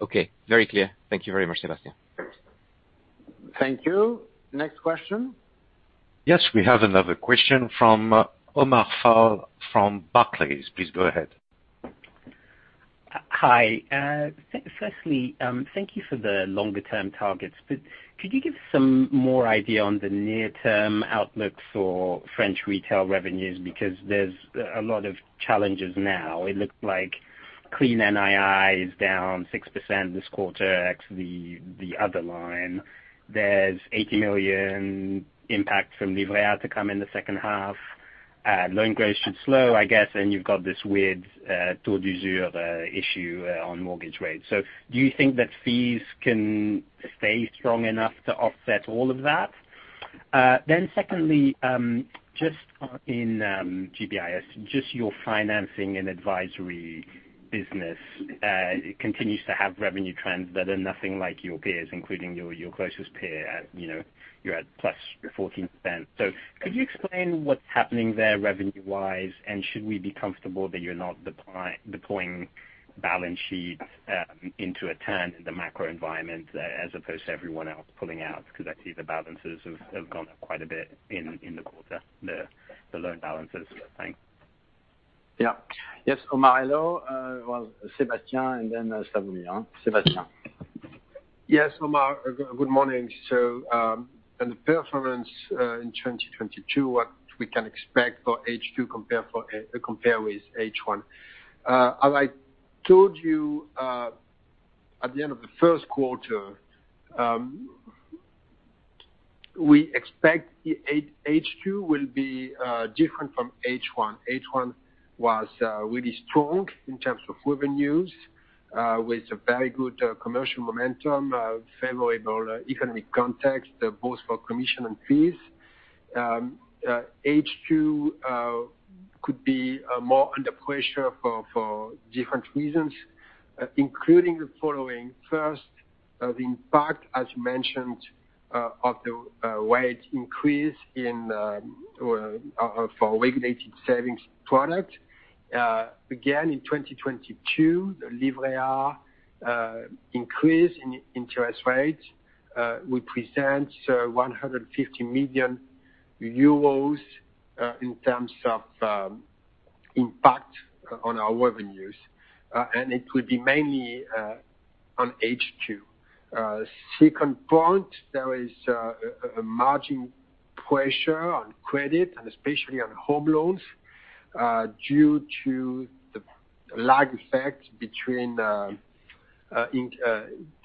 Okay. Very clear. Thank you very much, Sébastien? Thank you. Next question. Yes, we have another question from Omar Fall from Barclays. Please go ahead. Hi. Firstly, thank you for the longer term targets, but could you give some more idea on the near-term outlook for French retail revenues? Because there's a lot of challenges now. It looks like clean NII is down 6% this quarter, actually the other line. There's 80 million impact from Livret A to come in the second half. Loan growth should slow, I guess, and you've got this weird taux d'usure issue on mortgage rates. Do you think that fees can stay strong enough to offset all of that? Secondly, just in GBIS, just your financing and advisory business, it continues to have revenue trends that are nothing like your peers, including your closest peer. You know, you're at +14%. Could you explain what's happening there revenue-wise? Should we be comfortable that you're not deploying balance sheets into a turn in the macro environment as opposed to everyone else pulling out? 'Cause I see the balances have gone up quite a bit in the quarter, the loan balances, so thanks. Yeah. Yes, Omar, hello. Well, Sébastien and then Slawomir, huh? Sébastien? Yes, Omar, good morning. On the performance in 2022, what we can expect for H2 compared with H1. As I told you at the end of the Q1, we expect H2 will be different from H1. H1 was really strong in terms of revenues with a very good commercial momentum, favorable economic context, both for commission and fees. H2 could be more under pressure for different reasons, including the following. First, the impact, as you mentioned, of the rate increase for regulated savings product began in 2022. The Livret A increase in interest rates will represent EUR 150 million in terms of impact on our revenues. It will be mainly on H2. Second point, there is a margin pressure on credit, and especially on home loans, due to the lag effect between the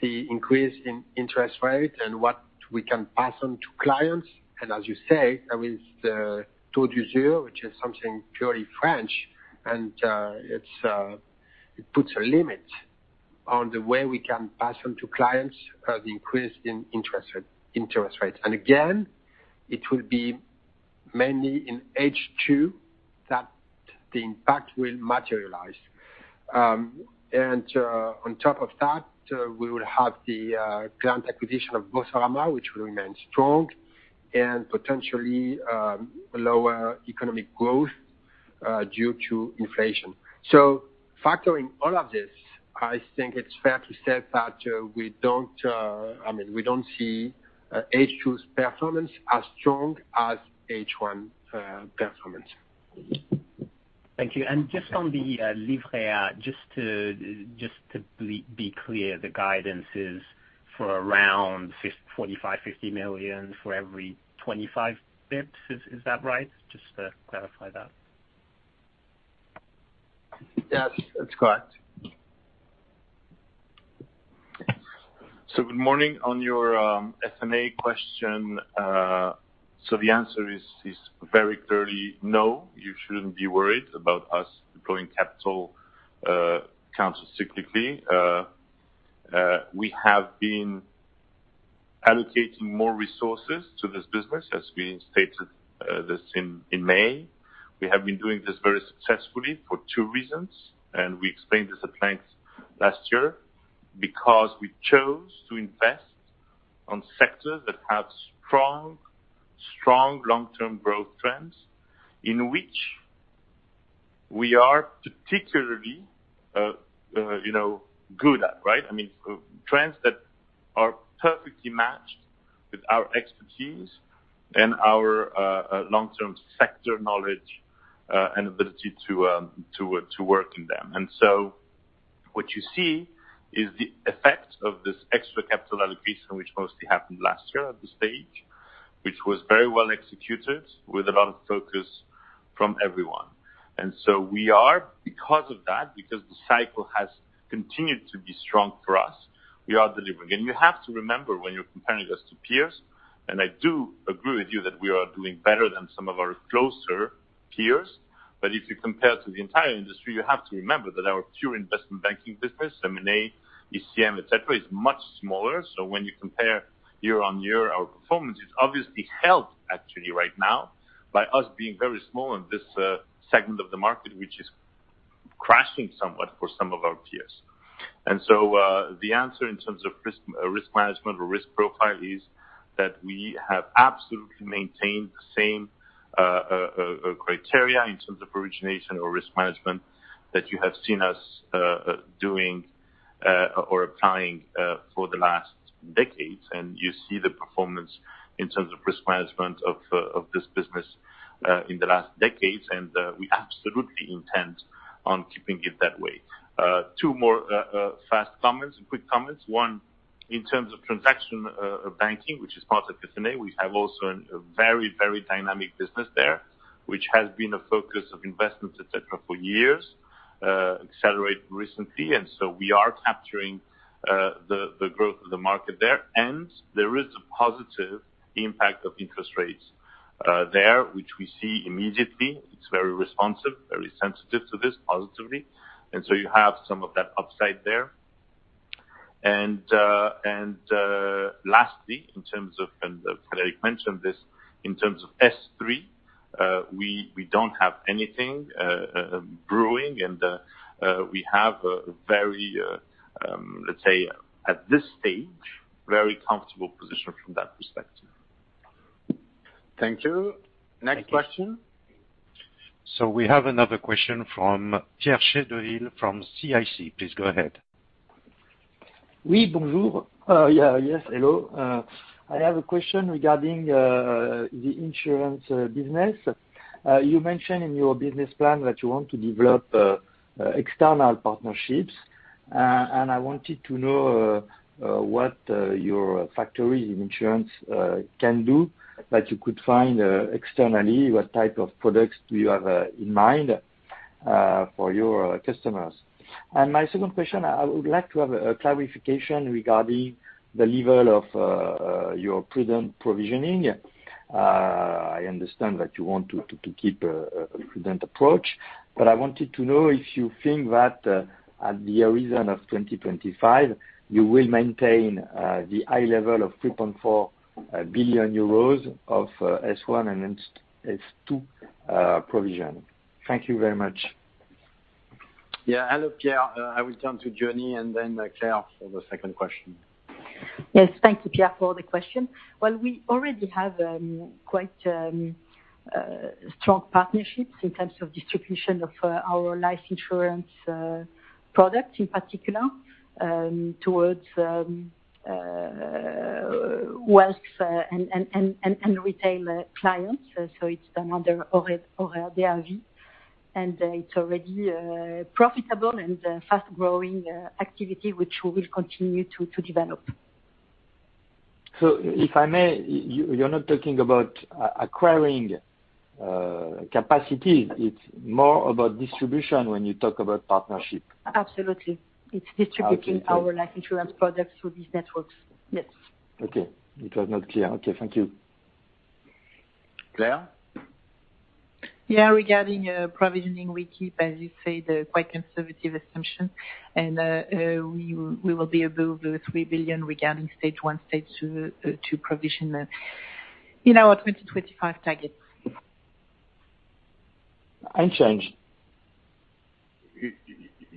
increase in interest rate and what we can pass on to clients. As you say, with the taux zéro, which is something purely French, and it puts a limit on the way we can pass on to clients the increase in interest rates. Again, it will be mainly in H2 that the impact will materialize. On top of that, we will have the planned acquisition of Boursorama, which will remain strong and potentially lower economic growth due to inflation. factoring all of this, I think it's fair to say that, I mean, we don't see H2's performance as strong as H1 performance. Thank you. Just on the Livret A, just to be clear, the guidance is for around 45-50 million for every 25 basis points. Is that right? Just to clarify that. Yes, that's correct. Good morning. On your F&A question, the answer is very clearly no, you shouldn't be worried about us deploying capital countercyclically. We have been allocating more resources to this business, as we stated this in May. We have been doing this very successfully for two reasons, and we explained this at length last year, because we chose to invest in sectors that have strong long-term growth trends in which we are particularly you know good at, right? I mean, trends that are perfectly matched with our expertise and our long-term sector knowledge and ability to work in them. What you see is the effect of this extra capital allocation, which mostly happened last year at this stage, which was very well executed with a lot of focus from everyone. We are, because of that, because the cycle has continued to be strong for us, we are delivering. You have to remember when you're comparing us to peers, and I do agree with you that we are doing better than some of our closer peers, but if you compare to the entire industry, you have to remember that our pure investment banking business, M&A, ECM, et cetera, is much smaller. When you compare year-on-year, our performance is obviously helped actually right now by us being very small in this segment of the market, which is crashing somewhat for some of our peers. The answer in terms of risk management or risk profile is that we have absolutely maintained the same criteria in terms of origination or risk management that you have seen us doing or applying for the last decades. You see the performance in terms of risk management of this business in the last decades. We absolutely intend on keeping it that way. Two more quick comments. One, in terms of transaction banking, which is part of F&A, we have also a very, very dynamic business there, which has been a focus of investments, et cetera, for years, accelerated recently. We are capturing the growth of the market there. There is a positive impact of interest rates there, which we see immediately. It's very responsive, very sensitive to this positively. You have some of that upside there. Lastly, in terms of, and Frédéric mentioned this, in terms of S3, we don't have anything brewing, and we have a very, let's say, at this stage, very comfortable position from that perspective. Thank you. Next question. We have another question from Pierre Chédeville from CIC. Please go ahead. We do. Yes, hello. I have a question regarding the insurance business. You mentioned in your business plan that you want to develop external partnerships. I wanted to know what your activity in insurance can do that you could find externally, what type of products do you have in mind for your customers. My second question, I would like to have a clarification regarding the level of your prudent provisioning. I understand that you want to keep a prudent approach, but I wanted to know if you think that at the horizon of 2025, you will maintain the high level of 3.4 billion euros of Stage 1 and Stage 2 provision. Thank you very much. Yeah. Hello, Pierre. I will turn to Jérôme and then Claire for the second question. Yes. Thank you, Pierre, for the question. Well, we already have quite strong partnerships in terms of distribution of our life insurance products, in particular, towards wealth and retail clients. It's another RV. It's already profitable and a fast-growing activity which we will continue to develop. If I may, you're not talking about acquiring capacity. It's more about distribution when you talk about partnership. Absolutely. Okay. Our life insurance products through these networks. Yes. Okay. It was not clear. Okay. Thank you. Claire? Yeah. Regarding provisioning, we keep, as you say, the quite conservative assumption. We will be above 3 billion regarding stage one, stage two provisions in our 2025 target. Unchanged?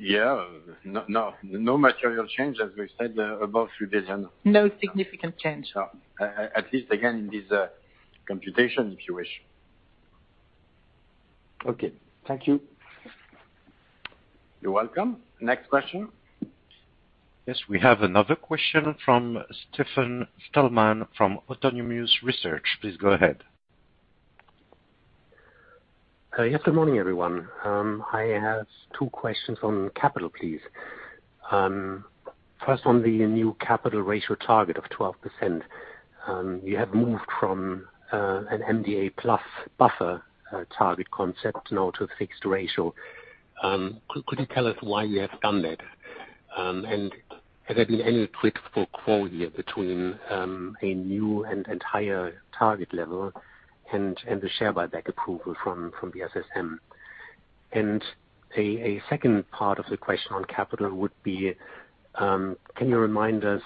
Yeah. No material change, as we said, above 3 billion. No significant change. At least again, in this, computation, if you wish. Okay. Thank you. You're welcome. Next question. Yes, we have another question from Stefan Stalmann from Autonomous Research. Please go ahead. Yes, good morning, everyone. I have two questions on capital, please. First on the new capital ratio target of 12%. You have moved from an MDA plus buffer target concept now to a fixed ratio. Could you tell us why you have done that? And has there been any quid pro quo here between a new and entire target level and the share buyback approval from the SSM? A second part of the question on capital would be, can you remind us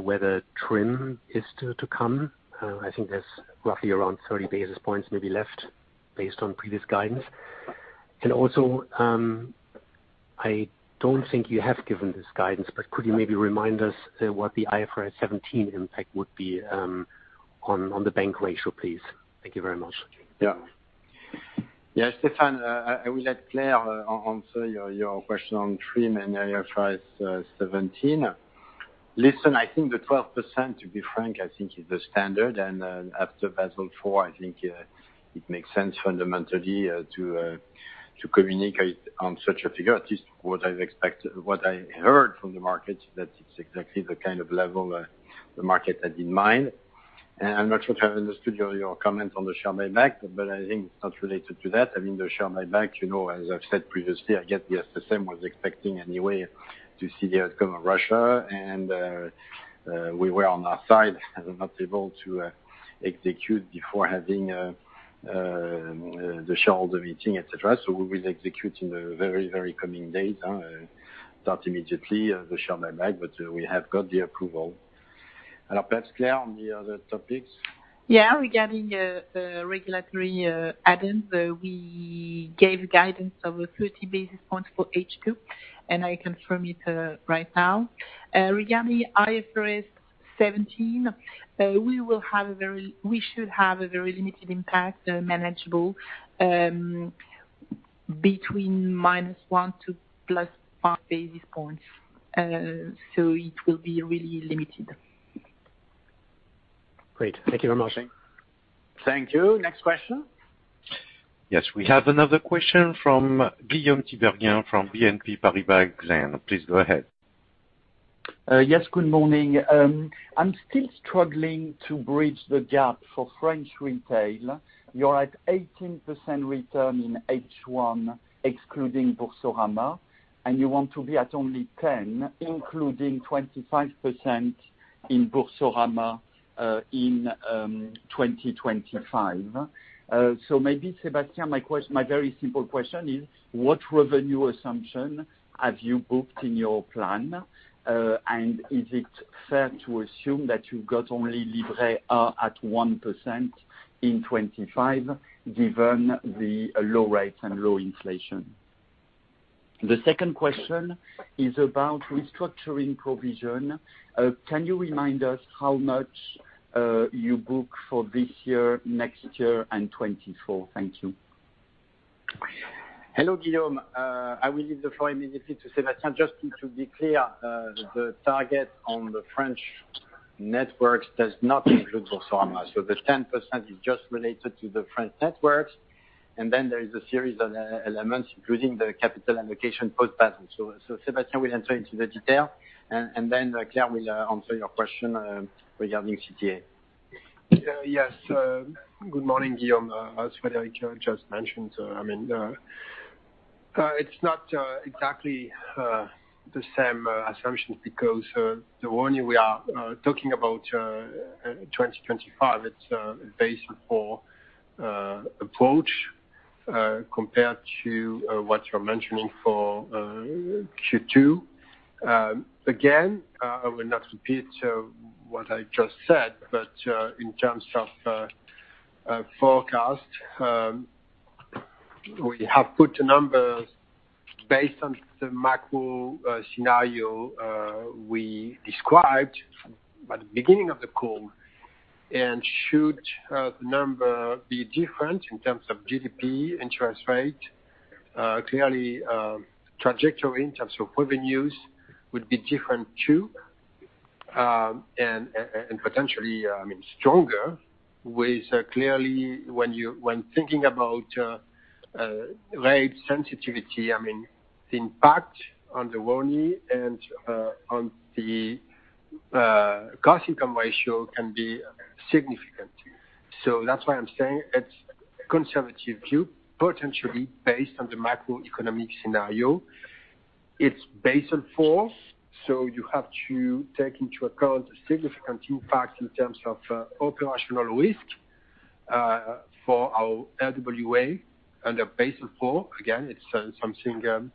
whether TRIM is to come? I think there's roughly around 30 basis points maybe left based on previous guidance. I don't think you have given this guidance, but could you maybe remind us, what the IFRS 17 impact would be, on the bank ratio, please? Thank you very much. Yes, Stefan, I will let Claire answer your question on TRIM and IFRS 17. Listen, I think the 12%, to be frank, is the standard. After Basel IV, I think it makes sense fundamentally to communicate on such a figure, at least what I've expected, what I heard from the market, that it's exactly the kind of level the market had in mind. I'm not sure if I understood your comment on the share buyback, but I think it's not related to that. I mean, the share buyback, you know, as I've said previously, the SSM was expecting anyway to see the outcome of Russia. We were on our side also not able to execute before having the shareholder meeting, etc. We will execute in the very, very coming days, start immediately the share buyback, but we have got the approval. Perhaps, Claire, on the other topics. Yeah. Regarding the regulatory headwinds, we gave guidance of 30 basis points for H2, and I confirm it right now. Regarding IFRS 17, we should have a very limited impact, manageable, between -1 to +5 basis points. It will be really limited. Great. Thank you very much. Thank you. Next question. Yes, we have another question from Guillaume Tiberghien from BNP Paribas Exane. Please go ahead. Good morning. I'm still struggling to bridge the gap for French retail. You're at 18% return in H1, excluding Boursorama, and you want to be at only 10, including 25% in Boursorama, in 2025. Maybe Sébastien, my very simple question is what revenue assumption have you booked in your plan? And is it fair to assume that you've got only Livret A at 1% in 2025, given the low rates and low inflation? The second question is about restructuring provision. Can you remind us how much you book for this year, next year and 2024? Thank you. Hello, Guillaume. I will leave the floor immediately to Sébastien. Just to be clear, the target on the French networks does not include Boursorama. The 10% is just related to the French networks. Then there is a series of key elements, including the capital allocation post Basel. Sébastien will enter into the detail, and then Claire will answer your question regarding CTA. Yeah, yes. Good morning, Guillaume. As Frédéric just mentioned, I mean, it's not exactly the same assumptions because the one we are talking about 2025, it's a Basel IV approach compared to what you're mentioning for Q2. Again, I will not repeat what I just said, but in terms of forecast, we have put numbers based on the macro scenario we described at the beginning of the call. Should the number be different in terms of GDP, interest rate, clearly trajectory in terms of revenues would be different too. Potentially, I mean, stronger with clearly when thinking about rate sensitivity, I mean, the impact on the ROE and on the cost income ratio can be significant. That's why I'm saying it's conservative view, potentially based on the macroeconomic scenario. It's Basel IV, so you have to take into account the significant impact in terms of operational risk for our RWA under Basel IV. Again, it's something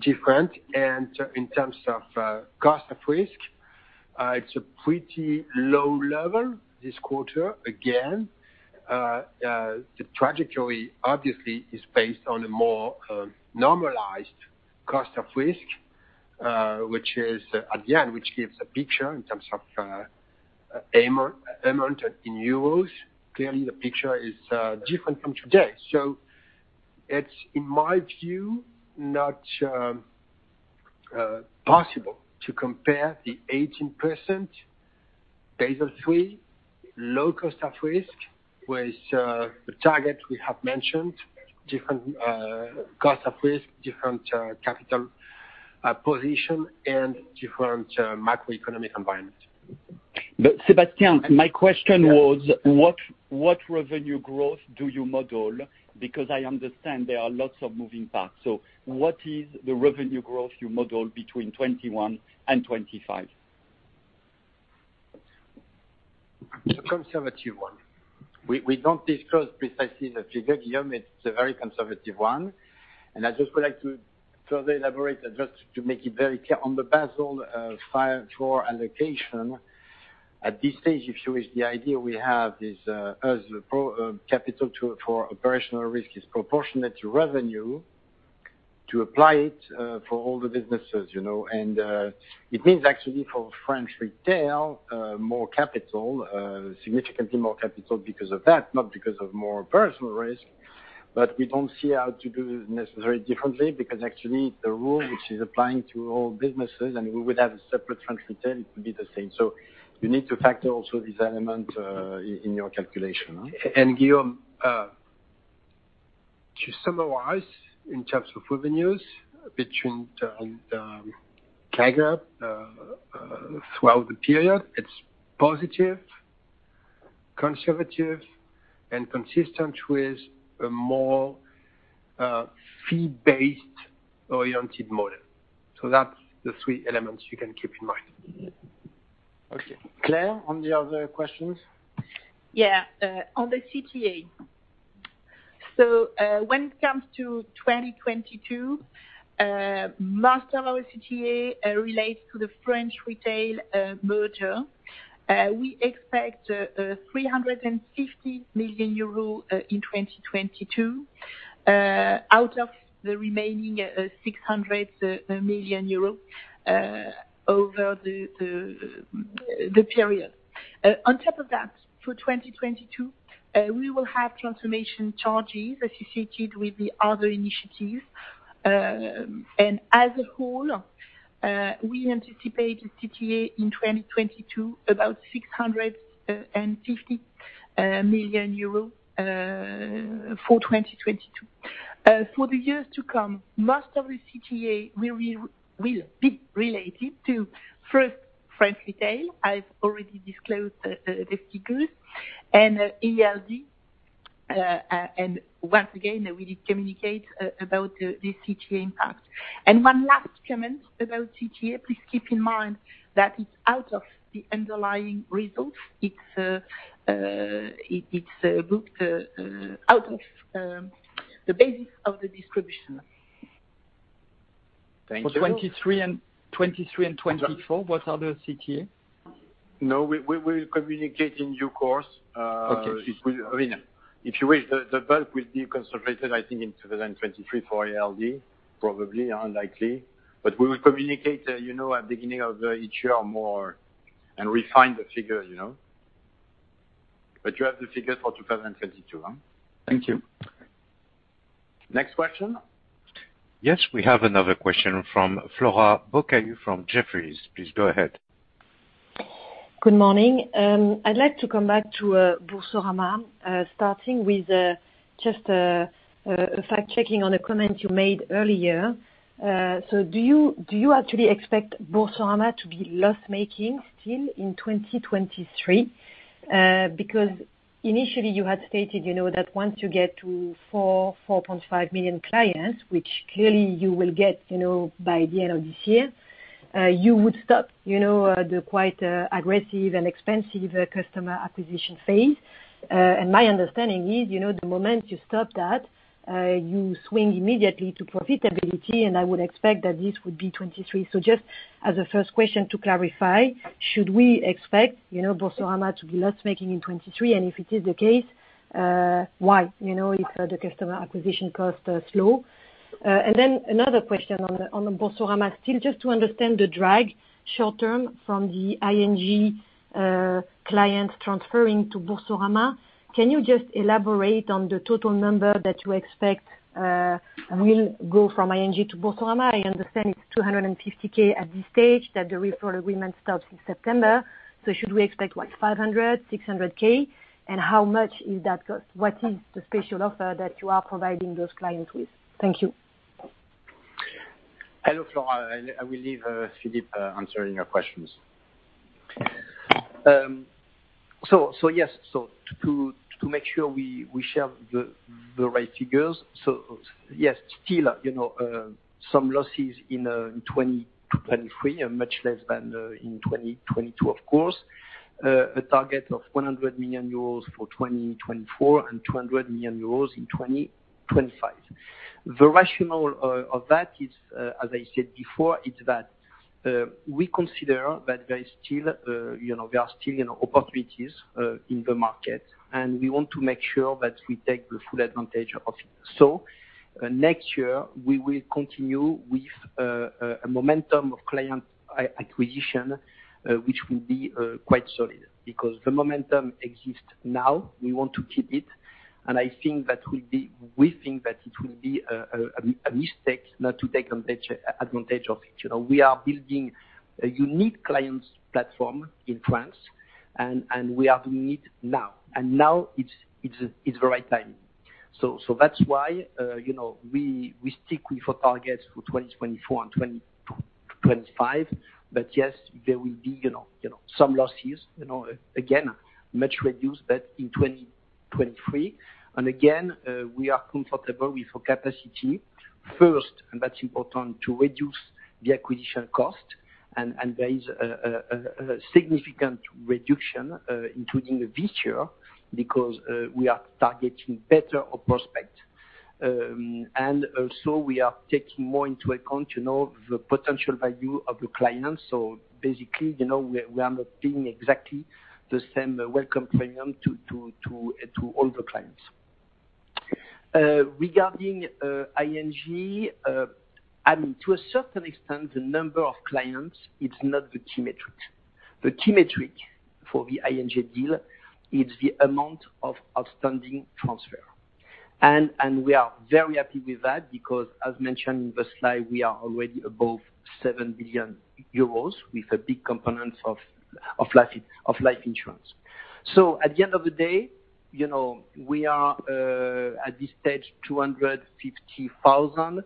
different. In terms of cost of risk, it's a pretty low level this quarter. Again, the trajectory obviously is based on a more normalized cost of risk, which again gives a picture in terms of amount in euros. Clearly, the picture is different from today. It's in my view not possible to compare the 18% Basel III low cost of risk with the target we have mentioned, different cost of risk, different capital position and different macroeconomic environment. Sébastien, my question was what revenue growth do you model? Because I understand there are lots of moving parts. What is the revenue growth you model between 2021 and 2025? A conservative one. We don't discuss precisely the figure, Guillaume. It's a very conservative one. I just would like to further elaborate just to make it very clear. On the Basel IV allocation, at this stage, if you wish, the idea we have is, as the pro rata capital for operational risk is proportionate to revenue to apply it for all the businesses. It means actually for French retail more capital, significantly more capital because of that, not because of more RWA. We don't see how to do this necessarily differently because actually the rule which is applying to all businesses and we would have a separate French retail, it would be the same. You need to factor also this element in your calculation. Guillaume, to summarize in terms of revenues between CAGR throughout the period, it's positive, conservative and consistent with a more fee-based oriented model. That's the three elements you can keep in mind. Okay. Claire, on the other questions. Yeah, on the CTA. When it comes to 2022, most of our CTA relates to the French retail merger. We expect EUR 350 million in 2022, out of the remaining EUR 600 million over the period. On top of that, for 2022, we will have transformation charges associated with the other initiatives. As a whole, we anticipate the CTA in 2022 about 650 million euros for 2022. For the years to come, most of the CTA will be related to, first, French retail. I've already disclosed the figures. ALD Once again, we did communicate about this CTA impact. One last comment about CTA, please keep in mind that it's out of the underlying results. It's booked out of the basis of the distribution. Thank you. For 2023 and 2024, what are the CTA? No, we'll communicate in due course. Okay. I mean, if you wish, the bulk will be concentrated, I think, in 2023 for ALD, probably, unlikely. We will communicate, you know, at beginning of each year more and refine the figures, you know. You have the figures for 2022, huh? Thank you. Next question. Yes, we have another question from Flora Bocahut from Jefferies. Please go ahead. Good morning. I'd like to come back to Boursorama, starting with just a fact checking on a comment you made earlier. Do you actually expect Boursorama to be loss-making still in 2023? Because initially you had stated, you know, that once you get to 4.5 million clients, which clearly you will get, you know, by the end of this year, you would stop, you know, the quite aggressive and expensive customer acquisition phase. My understanding is, you know, the moment you stop that, you swing immediately to profitability, and I would expect that this would be 2023. Just as a first question to clarify, should we expect, you know, Boursorama to be loss-making in 2023, and if it is the case, why? You know, if the customer acquisition costs are slow. Then another question on the Boursorama still, just to understand the drag short-term from the ING clients transferring to Boursorama, can you just elaborate on the total number that you expect will go from ING to Boursorama? I understand it's 250K at this stage, that the referral agreement starts in September. Should we expect, what, 500, 600K? And how much is that cost? What is the special offer that you are providing those clients with? Thank you. Hello, Flora. I will leave Philippe answering your questions. Yes. To make sure we share the right figures. Yes, still, you know, some losses in 2023 are much less than in 2022, of course. A target of 100 million euros for 2024 and 200 million euros in 2025. The rationale of that is, as I said before, it's that we consider that there is still, you know, there are still, you know, opportunities in the market, and we want to make sure that we take the full advantage of it. Next year we will continue with a momentum of client acquisition, which will be quite solid because the momentum exists now, we want to keep it. I think that will be—we think that it will be a mistake not to take advantage of it. You know, we are building a unique clients platform in France and we have need now. Now it's the right time. That's why, you know, we stick with our targets for 2024 and 2025. But yes, there will be, you know, some losses, you know, again, much reduced, but in 2023. Again, we are comfortable with our capacity first, and that's important to reduce the acquisition cost. There is a significant reduction, including this year because we are targeting better our prospect. Also we are taking more into account, you know, the potential value of the clients. Basically, you know, we are not paying exactly the same welcome premium to all the clients. Regarding ING, I mean, to a certain extent, the number of clients, it's not the key metric. The key metric for the ING deal is the amount of outstanding transfer. We are very happy with that because as mentioned in the slide, we are already above 7 billion euros with a big component of life insurance. At the end of the day, you know, we are at this stage 250,000,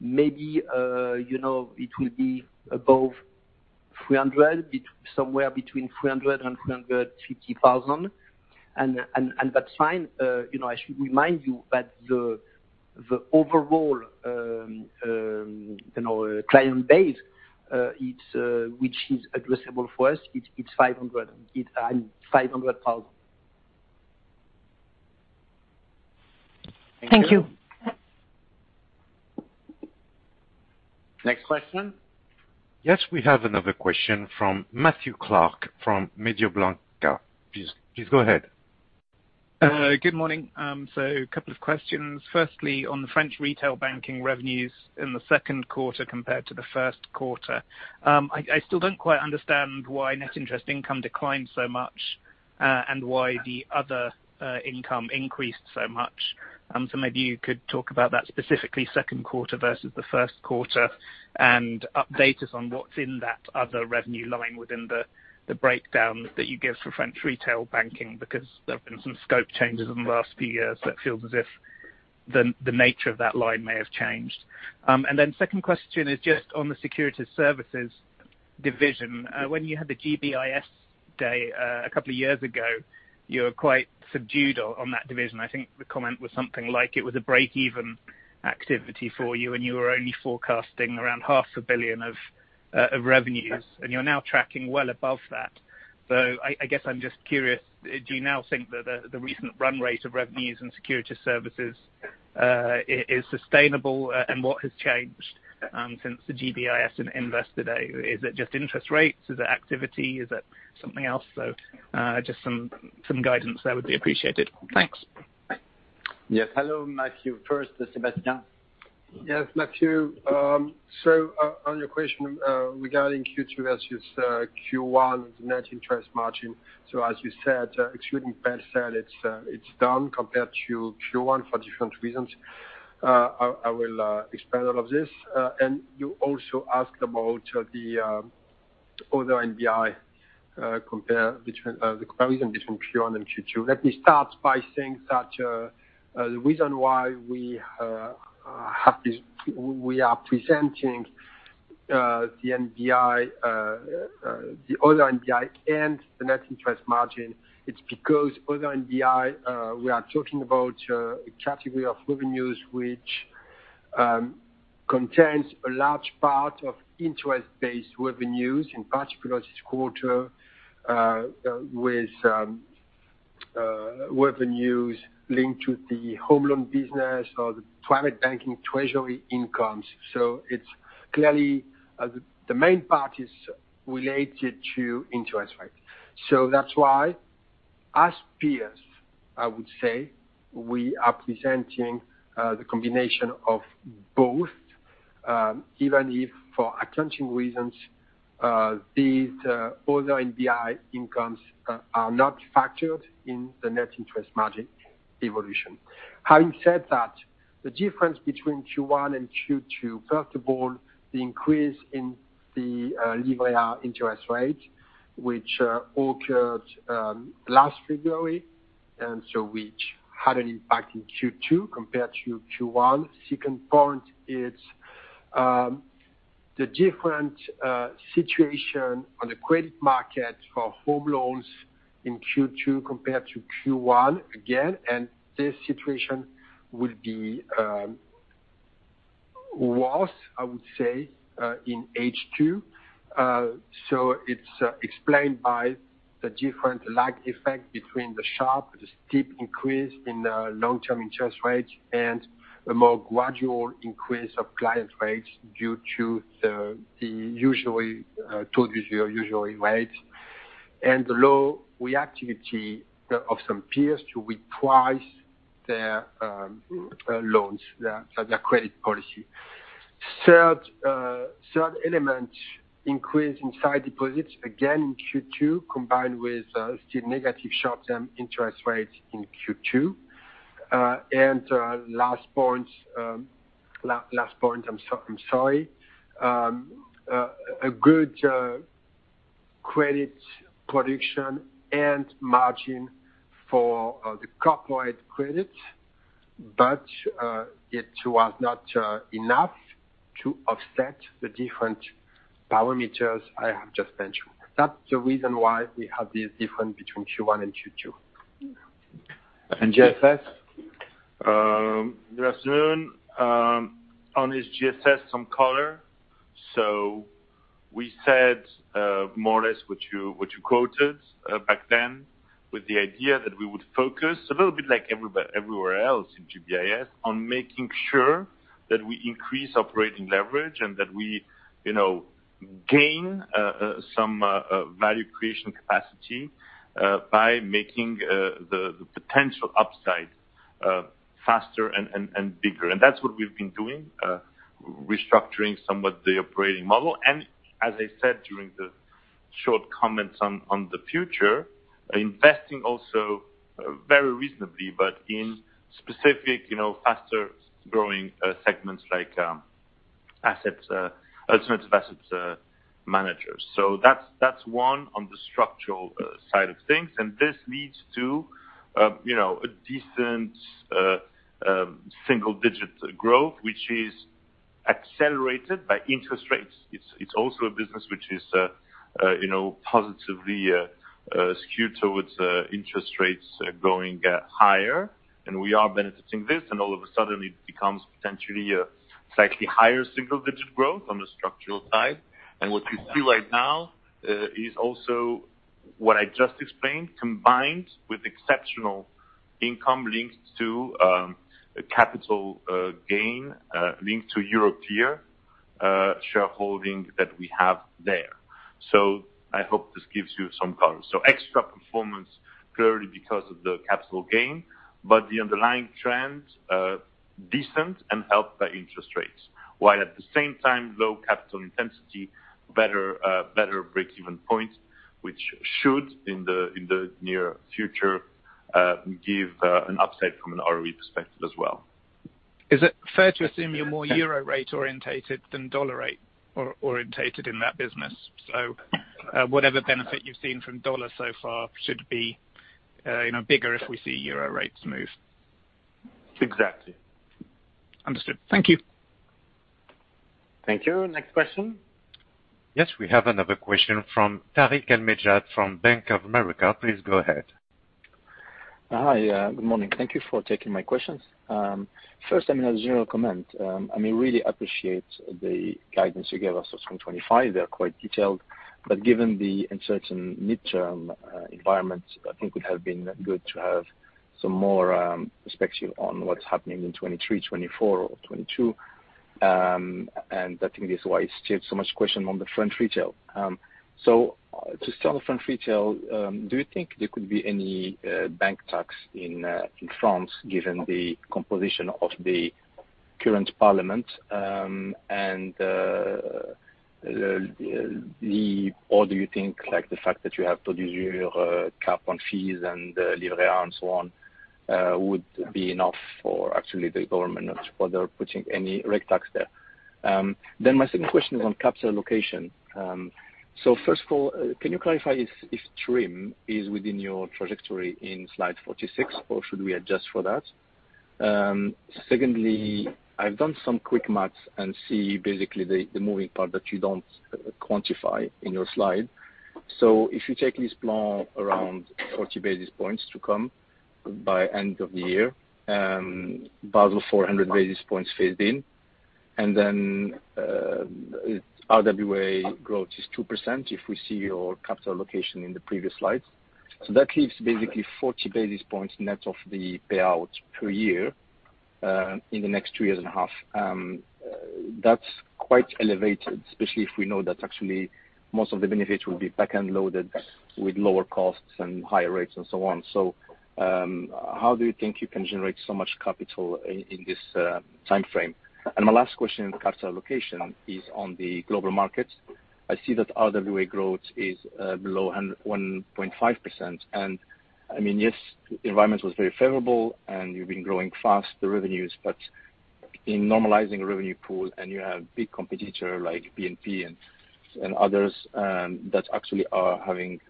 maybe, you know, it will be above 300, somewhere between 300 and 350 thousand. That's fine. You know, I should remind you that the overall you know client base, which is addressable for us, it's 500,000. Thank you. Next question. Yes, we have another question from Matthew Clark from Mediobanca. Please go ahead. Good morning. Couple of questions. Firstly, on the French Retail Banking revenues in the Q2 compared to the Q1, I still don't quite understand why net interest income declined so much, and why the other income increased so much. Maybe you could talk about that specifically Q2 versus the Q1 and update us on what's in that other revenue line within the breakdown that you give for French Retail Banking, because there have been some scope changes in the last few years that feels as if the nature of that line may have changed. Then second question is just on the securities services division. When you had the GBIS day, a couple of years ago, you were quite subdued on that division. I think the comment was something like it was a break-even activity for you, and you were only forecasting around EUR half a billion of revenues, and you're now tracking well above that. I guess I'm just curious, do you now think that the recent run rate of revenues in securities services is sustainable, and what has changed since the GBIS Investor Day? Is it just interest rates? Is it activity? Is it something else? Just some guidance there would be appreciated. Thanks. Yes. Hello, Matthew, first Sébastien. Yes, Matthew. On your question regarding Q2 versus Q1 net interest margin. As you said, excluding fair share, it's down compared to Q1 for different reasons. I will expand on this. You also asked about the other NBI, the comparison between Q1 and Q2. Let me start by saying that the reason why we are presenting the other NBI and the net interest margin, it's because other NBI we are talking about a category of revenues which contains a large part of interest-based revenues, in particular this quarter, with revenues linked to the home loan business or the private banking treasury incomes. It's clearly the main part is related to interest rates. That's why as peers, I would say we are presenting the combination of both, even if for accounting reasons, these other NBI incomes are not factored in the net interest margin evolution. Having said that, the difference between Q1 and Q2, first of all, the increase in the Euribor interest rate, which occurred last February, which had an impact in Q2 compared to Q1. Second point is the different situation on the credit market for home loans in Q2 compared to Q1, again, and this situation will be worse, I would say, in H2. It's explained by the different lag effect between the steep increase in the long-term interest rates and a more gradual increase of client rates due to the taux d'usure. The low reactivity of some peers to reprice their loans, their credit policy. Third element, increase in time deposits, again in Q2, combined with still negative short-term interest rates in Q2. Last point, I'm sorry. A good credit prediction and margin for the corporate credits, but it was not enough to offset the different parameters I have just mentioned. That's the reason why we have this difference between Q1 and Q2. GSS? Good afternoon, on this GSS some color. We said, more or less what you quoted back then, with the idea that we would focus, a little bit like everywhere else in GBIS, on making sure that we increase operating leverage and that we, you know, gain some value creation capacity by making the potential upside faster and bigger. That's what we've been doing, restructuring somewhat the operating model. As I said during the short comments on the future, investing also very reasonably, but in specific, you know, faster growing segments like assets, alternative assets managers. That's one on the structural side of things. This leads to, you know, a decent single-digit growth, which is accelerated by interest rates. It's also a business which is, you know, positively skewed towards interest rates going higher. We are benefiting from this, and all of a sudden it becomes potentially a slightly higher single-digit growth on the structural side. What you see right now is also what I just explained, combined with exceptional income linked to capital gain linked to Euroclear shareholding that we have there. I hope this gives you some color. Extra performance purely because of the capital gain, but the underlying trend decent and helped by interest rates, while at the same time, low capital intensity, better break-even points, which should in the near future give an upside from an ROE perspective as well. Is it fair to assume you're more euro rate oriented than dollar rate oriented in that business? Whatever benefit you've seen from dollar so far should be, you know, bigger if we see euro rates move. Exactly. Understood. Thank you. Thank you. Next question. Yes, we have another question from Tarik El Mejjad from Bank of America. Please go ahead. Hi. Good morning. Thank you for taking my questions. First let me have a general comment. I mean, really appreciate the guidance you gave us from 2025. They are quite detailed, but given the uncertain medium-term environment, I think it would have been good to have some more perspective on what's happening in 2023, 2024 or 2022. I think this is why you still have so much question on the French retail. To start the French retail, do you think there could be any bank tax in France given the composition of the current parliament or do you think like the fact that you have put a cap on fees and levies and so on would be enough for actually the government to further putting any new tax there? My second question is on capital allocation. First of all, can you clarify if TRIM is within your trajectory in slide 46, or should we adjust for that? Secondly, I've done some quick math and see basically the moving part that you don't quantify in your slide. If you take this plan around 40 basis points to come by end of the year, Basel IV 400 basis points phased in, and then RWA growth is 2% if we see your capital allocation in the previous slides. That leaves basically 40 points net of the payout per year in the next two years and a half. That's quite elevated, especially if we know that actually most of the benefits will be back-end loaded with lower costs and higher rates and so on. How do you think you can generate so much capital in this timeframe? My last question on capital allocation is on the global markets. I see that RWA growth is below 1.5%. I mean, yes, environment was very favorable and you've been growing fast, the revenues, but in normalizing revenue pool and you have big competitor like BNP and others that actually are having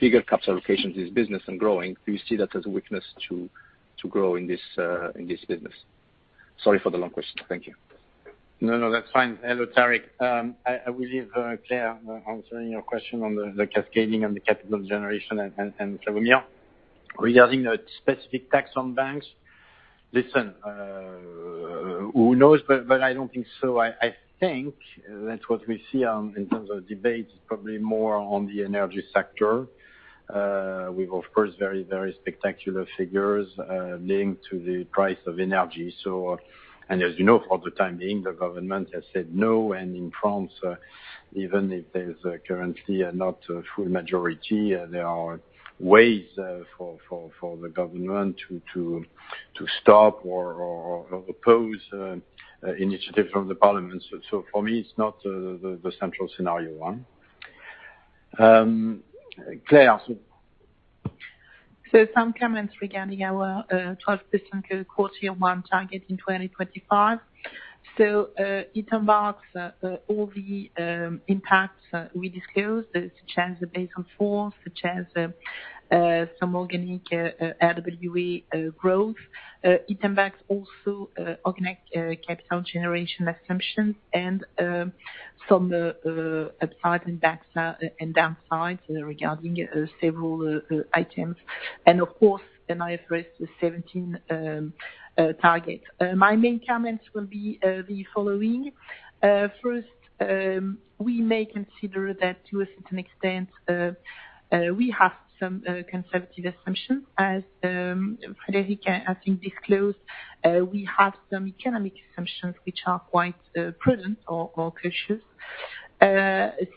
bigger capital allocations in this business and growing, do you see that as a weakness to grow in this business? Sorry for the long question. Thank you. No, no, that's fine. Hello, Tarik. I will leave Claire answering your question on the cascading and the capital generation and Slawomir. Regarding the specific tax on banks, listen, who knows? But I don't think so. I think that's what we see in terms of debates, probably more on the energy sector. With of course, very, very spectacular figures linked to the price of energy. As you know, for the time being, the government has said no. In France, even if there's currently not a full majority, there are ways for the government to stop or oppose initiative from the parliament. For me, it's not the central scenario one. Claire? Some comments regarding our 12% quarter one target in 2025. It marks all the impacts we disclosed, such as Basel IV, such as some organic RWA growth. It marks also organic capital generation assumptions and some upside and downside regarding several items. Of course, IFRS 17 target. My main comments will be the following. First, we may consider that to a certain extent we have some conservative assumptions. As Frédéric has disclosed, we have some economic assumptions which are quite prudent or cautious.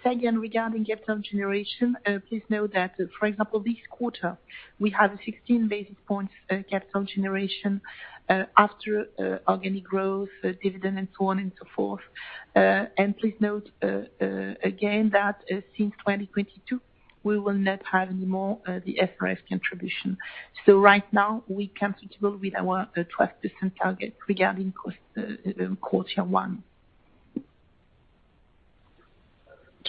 Second, regarding capital generation, please note that, for example, this quarter, we have 16 basis points capital generation after organic growth, dividend and so on and so forth. Please note, again, that since 2022, we will not have any more the IFRS contribution. Right now we're comfortable with our 12% target regarding cost, quarter one.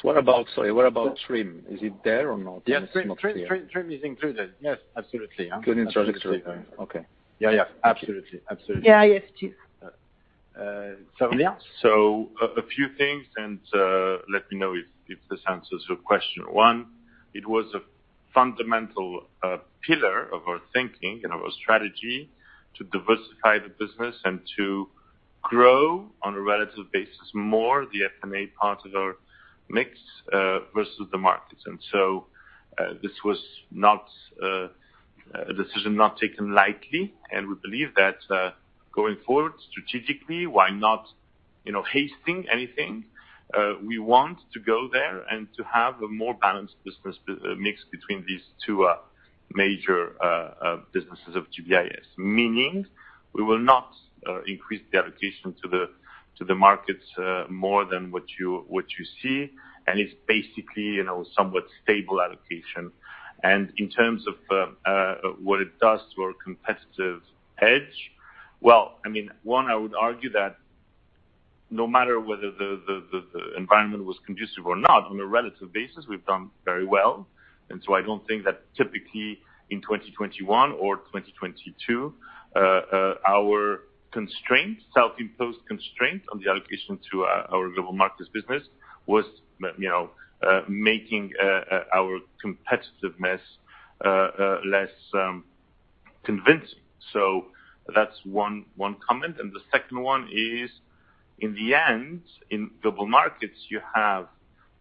What about TRIM? Is it there or not? Yeah. TRIM is included. Yes, absolutely. Good introduction. Okay. Yeah, yeah. Absolutely. Absolutely. Yeah. Yes, chief. Slawomir? A few things, and let me know if this answers your question. One, it was a fundamental pillar of our thinking and our strategy to diversify the business and to grow on a relative basis more the F&A part of our mix versus the markets. This was not a decision not taken lightly. We believe that, going forward strategically, why not, you know, hastening anything. We want to go there and to have a more balanced business mix between these two major businesses of GBIS. Meaning, we will not increase the allocation to the markets more than what you see. It's basically, you know, somewhat stable allocation. In terms of what it does to our competitive edge, well, I mean, one, I would argue that no matter whether the environment was conducive or not, on a relative basis we've done very well. I don't think that typically in 2021 or 2022, our constraints, self-imposed constraints on the allocation to our global markets business was, you know, making our competitiveness less convincing. So that's one comment. The second one is, in the end, in global markets, you have,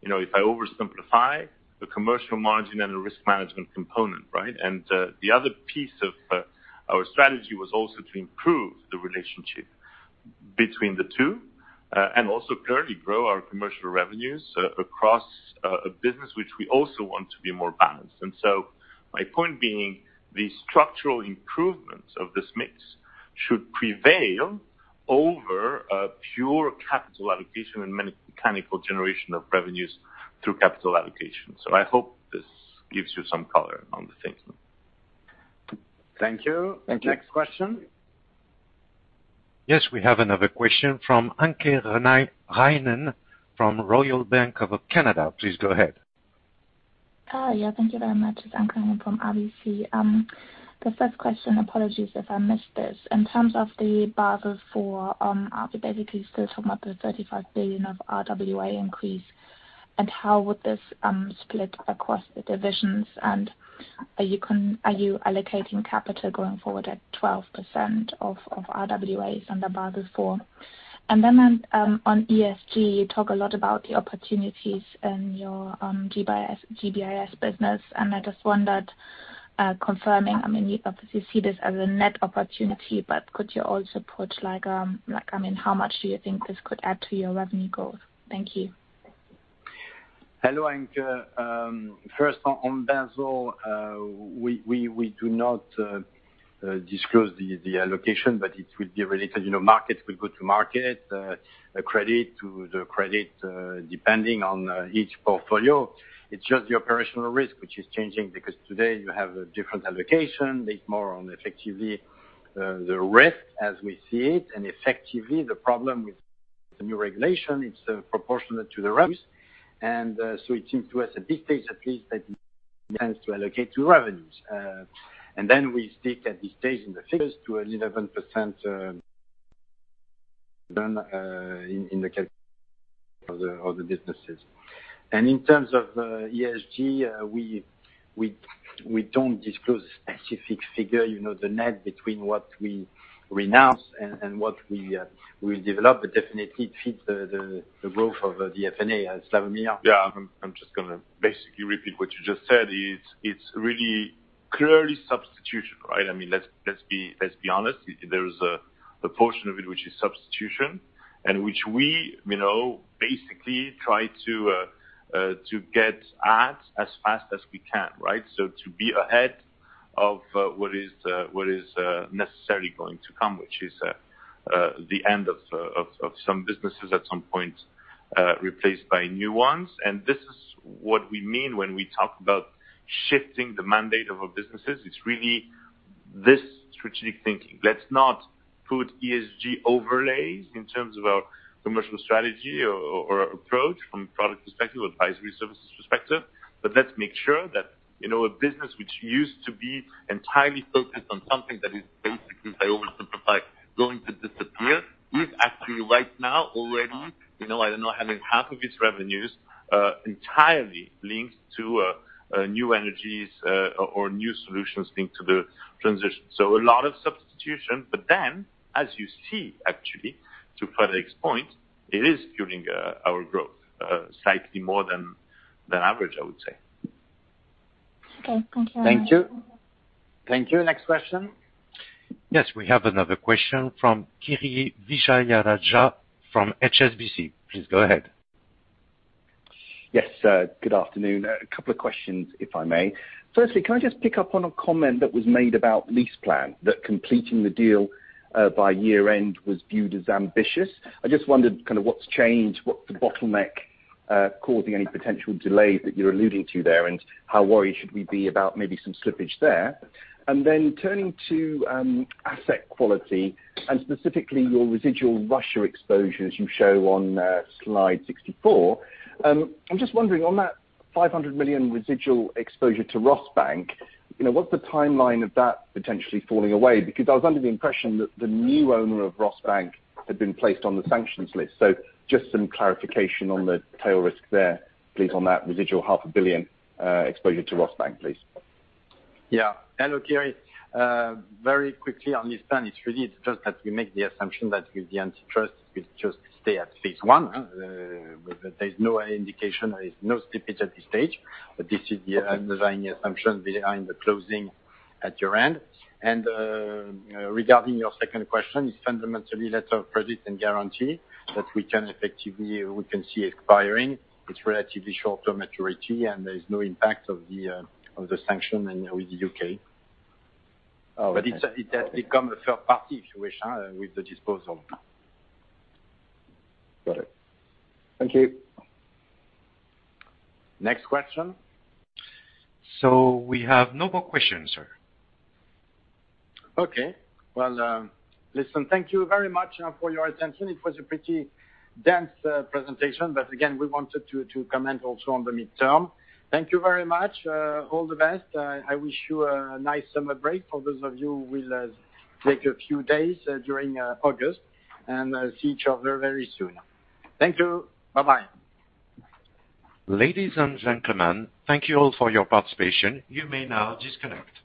you know, if I oversimplify, the commercial margin and the risk management component, right? The other piece of our strategy was also to improve the relationship between the two, and also clearly grow our commercial revenues, across a business which we also want to be more balanced. My point being the structural improvements of this mix should prevail over a pure capital allocation and mechanical generation of revenues through capital allocation. I hope this gives you some color on the thinking. Thank you. Thank you. Next question. Yes, we have another question from Anke Reingen from Royal Bank of Canada. Please go ahead. Hi. Yeah, thank you very much. It's Anke Reingen from RBC. The first question, apologies if I missed this. In terms of the Basel IV, are we basically still talking about the 35 billion of RWA increase, and how would this split across the divisions? Are you allocating capital going forward at 12% of RWAs under Basel IV? Then, on ESG, you talk a lot about the opportunities in your GBIS business. I just wondered, confirming, I mean, you obviously see this as a net opportunity, but could you also put like, I mean, how much do you think this could add to your revenue growth? Thank you. Hello, Anke. First on Basel, we do not disclose the allocation, but it will be related, you know, market will go to market, credit to the credit, depending on each portfolio. It's just the operational risk which is changing because today you have a different allocation based more on effectively the risk as we see it, and effectively the problem with the new regulation, it's proportionate to the risk. It seems to us at this stage at least that it tends to allocate to revenues. We stick at this stage in the figures to 11%, then in the case of the businesses. In terms of ESG, we don't disclose a specific figure, you know, the net between what we renounce and what we develop, but definitely it fits the growth of the F&A as Slawomir. Yeah, I'm just gonna basically repeat what you just said, it's really clearly substitution, right? I mean, let's be honest. There is a portion of it which is substitution and which we, you know, basically try to get at as fast as we can, right? To be ahead of what is necessarily going to come, which is the end of some businesses at some point, replaced by new ones. This is what we mean when we talk about shifting the mandate of our businesses. It's really this strategic thinking. Let's not put ESG overlays in terms of our commercial strategy or approach from a product perspective or advisory services perspective, but let's make sure that, you know, a business which used to be entirely focused on something that is basically, if I oversimplify, going to disappear, is actually right now already, you know, I don't know, having half of its revenues entirely linked to new energies or new solutions linked to the transition. So a lot of substitution, but then as you see, actually, to Frédéric's point, it is fueling our growth slightly more than average, I would say. Okay. Thank you. Thank you. Thank you. Next question. Yes, we have another question from Kirishanthan Vijayarajah from HSBC. Please go ahead. Yes, good afternoon. A couple of questions, if I may. Firstly, can I just pick up on a comment that was made about LeasePlan, that completing the deal by year-end was viewed as ambitious. I just wondered kind of what's changed, what's the bottleneck causing any potential delays that you're alluding to there, and how worried should we be about maybe some slippage there? Turning to asset quality and specifically your residual Russia exposure as you show on slide 64. I'm just wondering on that 500 million residual exposure to Rosbank, you know, what's the timeline of that potentially falling away? Because I was under the impression that the new owner of Rosbank had been placed on the sanctions list. Just some clarification on the tail risk there, please, on that residual half a billion exposure to Rosbank, please. Hello, Kiri. Very quickly on LeasePlan, it's really, it's just that we make the assumption that with the antitrust, we just stay at phase one. There's no indication, there is no slippage at this stage, but this is the underlying assumption behind the closing at year-end. Regarding your second question, it's fundamentally letter of credit and guarantee that we can see expiring. It's relatively short-term maturity, and there is no impact of the sanction with the UK. Oh, okay. It has become a third party situation with the disposal. Got it. Thank you. Next question. We have no more questions, sir. Okay. Well, listen, thank you very much for your attention. It was a pretty dense presentation, but again, we wanted to comment also on the midterm. Thank you very much. All the best. I wish you a nice summer break for those of you who will take a few days during August, and I'll see each other very soon. Thank you. Bye-bye. Ladies and gentlemen, thank you all for your participation. You may now disconnect.